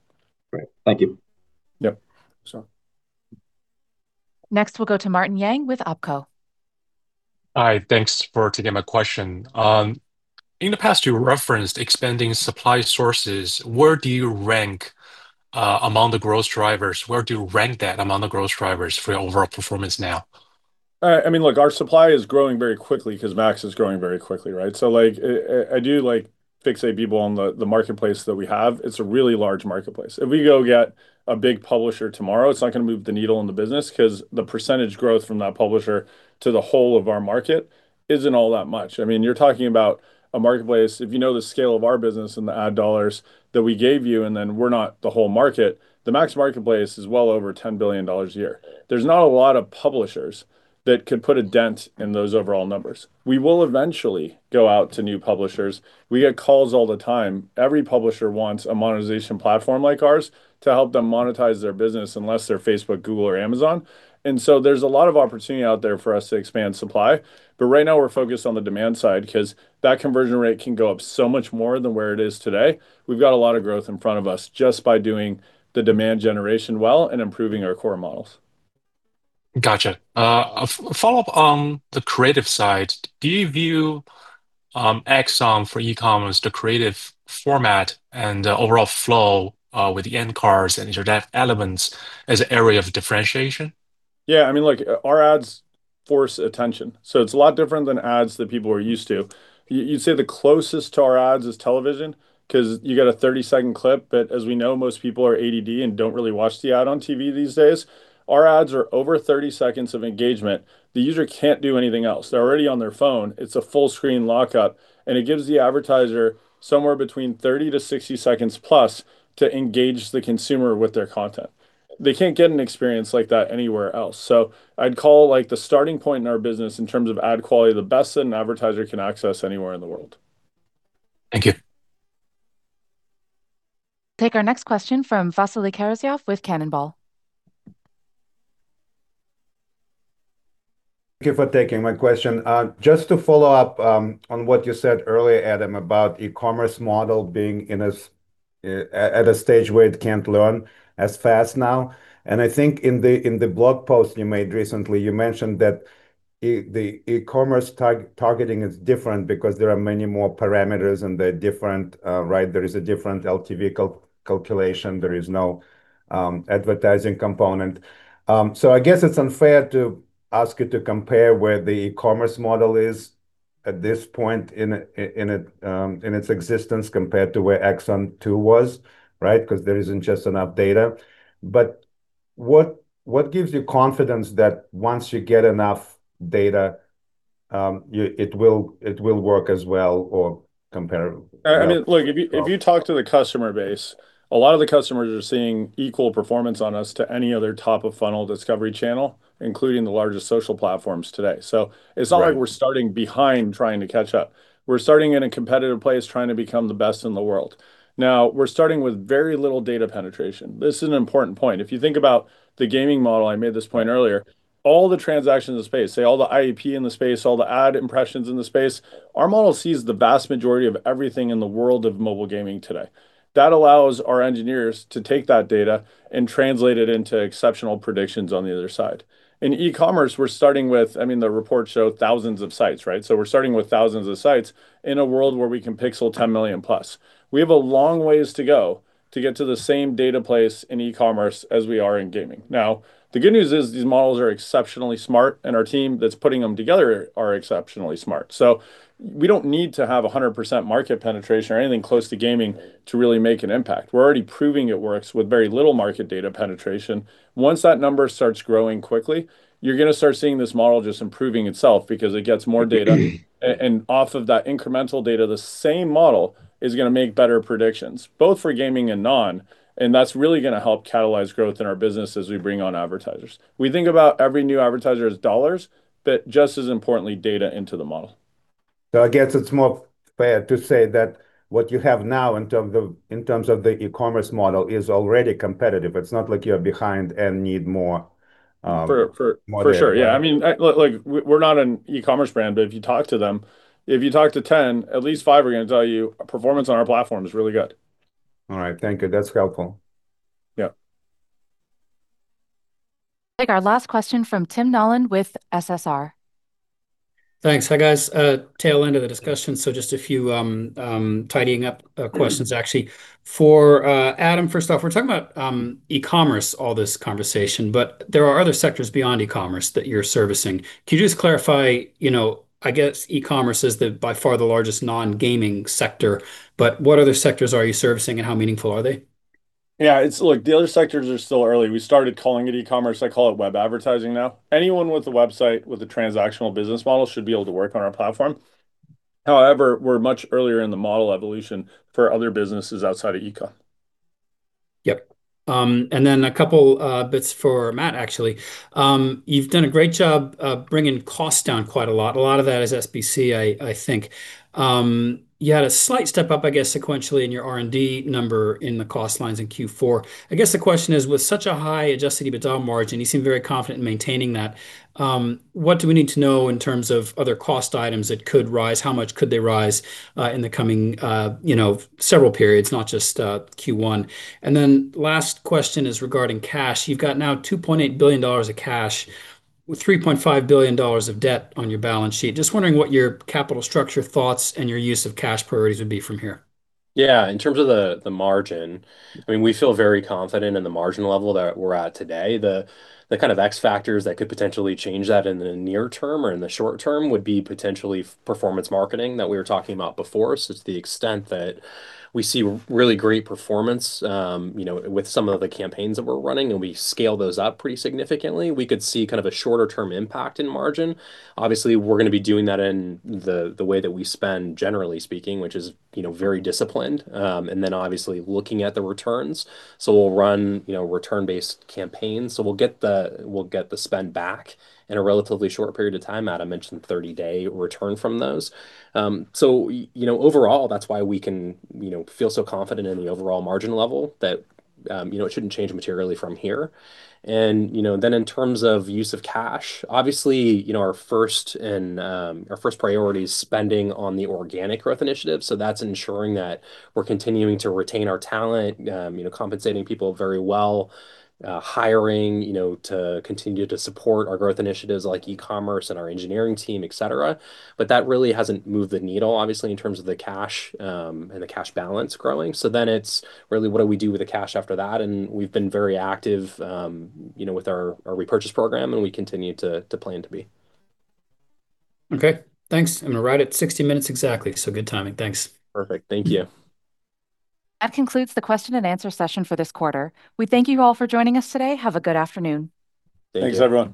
Great. Thank you. Yep. Sure. Next, we'll go to Martin Yang with OpCo. Hi, thanks for taking my question. In the past, you referenced expanding supply sources. Where do you rank among the growth drivers? Where do you rank that among the growth drivers for your overall performance now? I mean, look, our supply is growing very quickly 'cause MAX is growing very quickly, right? So, like, I do, like, fixate people on the marketplace that we have. It's a really large marketplace. If we go get a big publisher tomorrow, it's not gonna move the needle in the business, 'cause the percentage growth from that publisher to the whole of our market isn't all that much. I mean, you're talking about a marketplace... If you know the scale of our business and the ad dollars that we gave you, and then we're not the whole market, the MAX marketplace is well over $10 billion a year. There's not a lot of publishers that could put a dent in those overall numbers. We will eventually go out to new publishers. We get calls all the time. Every publisher wants a monetization platform like ours to help them monetize their business, unless they're Facebook, Google, or Amazon. So there's a lot of opportunity out there for us to expand supply, but right now we're focused on the demand side, 'cause that conversion rate can go up so much more than where it is today. We've got a lot of growth in front of us just by doing the demand generation well and improving our core models. Gotcha. A follow-up on the creative side, do you view AXON for e-commerce, the creative format and the overall flow with the end cards and interactive elements as an area of differentiation? Yeah, I mean, look, our ads force attention, so it's a lot different than ads that people are used to. You'd say the closest to our ads is television, 'cause you get a 30-second clip, but as we know, most people are ADD and don't really watch the ad on TV these days. Our ads are over 30 seconds of engagement. The user can't do anything else. They're already on their phone. It's a full-screen lockup, and it gives the advertiser somewhere between 30-60 seconds plus to engage the consumer with their content. They can't get an experience like that anywhere else. So I'd call, like, the starting point in our business in terms of ad quality, the best that an advertiser can access anywhere in the world. Thank you. Take our next question from Vasily Karasyov with Cannonball. Thank you for taking my question. Just to follow up, on what you said earlier, Adam, about e-commerce model being at a stage where it can't learn as fast now, and I think in the blog post you made recently, you mentioned that the e-commerce targeting is different because there are many more parameters, and they're different, right? There is a different LTV calculation. There is no advertising component. So I guess it's unfair to ask you to compare where the e-commerce model is at this point in its existence, compared to where AXON 2 was, right? 'Cause there isn't just enough data. But what gives you confidence that once you get enough data, it will work as well or comparable? I mean, look, if you talk to the customer base, a lot of the customers are seeing equal performance on us to any other top-of-funnel discovery channel, including the largest social platforms today. Right. So it's not like we're starting behind, trying to catch up. We're starting in a competitive place, trying to become the best in the world. Now, we're starting with very little data penetration. This is an important point. If you think about the gaming model, I made this point earlier, all the transactions in the space, say, all the IAP in the space, all the ad impressions in the space, our model sees the vast majority of everything in the world of mobile gaming today. That allows our engineers to take that data and translate it into exceptional predictions on the other side. In e-commerce, we're starting with... I mean, the reports show thousands of sites, right? So we're starting with thousands of sites in a world where we can pixel 10 million plus. We have a long ways to go-... to get to the same data place in e-commerce as we are in gaming. Now, the good news is these models are exceptionally smart, and our team that's putting them together are exceptionally smart. So we don't need to have 100% market penetration or anything close to gaming to really make an impact. We're already proving it works with very little market data penetration. Once that number starts growing quickly, you're gonna start seeing this model just improving itself because it gets more data. Mm-hmm. And off of that incremental data, the same model is gonna make better predictions, both for gaming and non, and that's really gonna help catalyze growth in our business as we bring on advertisers. We think about every new advertiser as dollars, but just as importantly, data into the model. So I guess it's more fair to say that what you have now in terms of the e-commerce model is already competitive. It's not like you're behind and need more, for- For, for- More data For sure. Yeah, I mean, look, we're not an e-commerce brand, but if you talk to them, if you talk to 10, at least five are gonna tell you, "Performance on our platform is really good. All right, thank you. That's helpful. Yep. Take our last question from Tim Nollen with SSR. Thanks. Hi, guys. Tail end of the discussion, so just a few tidying up questions, actually. For Adam, first off, we're talking about e-commerce, all this conversation, but there are other sectors beyond e-commerce that you're servicing. Can you just clarify? You know, I guess e-commerce is the by far the largest non-gaming sector, but what other sectors are you servicing, and how meaningful are they? Yeah, it's, look, the other sectors are still early. We started calling it e-commerce. I call it web advertising now. Anyone with a website with a transactional business model should be able to work on our platform. However, we're much earlier in the model evolution for other businesses outside of e-com. Yep. And then a couple bits for Matt, actually. You've done a great job bringing costs down quite a lot. A lot of that is SBC, I think. You had a slight step up, I guess, sequentially in your R&D number in the cost lines in Q4. I guess the question is, with such a high Adjusted EBITDA margin, you seem very confident in maintaining that. What do we need to know in terms of other cost items that could rise? How much could they rise in the coming, you know, several periods, not just Q1? And then last question is regarding cash. You've got now $2.8 billion of cash with $3.5 billion of debt on your balance sheet. Just wondering what your capital structure thoughts and your use of cash priorities would be from here? Yeah, in terms of the margin, I mean, we feel very confident in the margin level that we're at today. The kind of X factors that could potentially change that in the near term or in the short term would be potentially performance marketing that we were talking about before. So to the extent that we see really great performance, you know, with some of the campaigns that we're running, and we scale those up pretty significantly, we could see kind of a shorter-term impact in margin. Obviously, we're gonna be doing that in the way that we spend, generally speaking, which is, you know, very disciplined. And then obviously, looking at the returns, so we'll run, you know, return-based campaigns. So we'll get the spend back in a relatively short period of time. Adam mentioned 30-day return from those. So you know, overall, that's why we can, you know, feel so confident in the overall margin level that, you know, it shouldn't change materially from here. And you know, then in terms of use of cash, obviously, you know, our first priority is spending on the organic growth initiatives, so that's ensuring that we're continuing to retain our talent, you know, compensating people very well, hiring, you know, to continue to support our growth initiatives, like e-commerce and our engineering team, et cetera. But that really hasn't moved the needle, obviously, in terms of the cash, and the cash balance growing. So then it's really what do we do with the cash after that? And we've been very active, you know, with our repurchase program, and we continue to plan to be. Okay, thanks. We're right at 60 minutes exactly, so good timing. Thanks. Perfect. Thank you. That concludes the question and answer session for this quarter. We thank you all for joining us today. Have a good afternoon. Thank you. Thanks, everyone.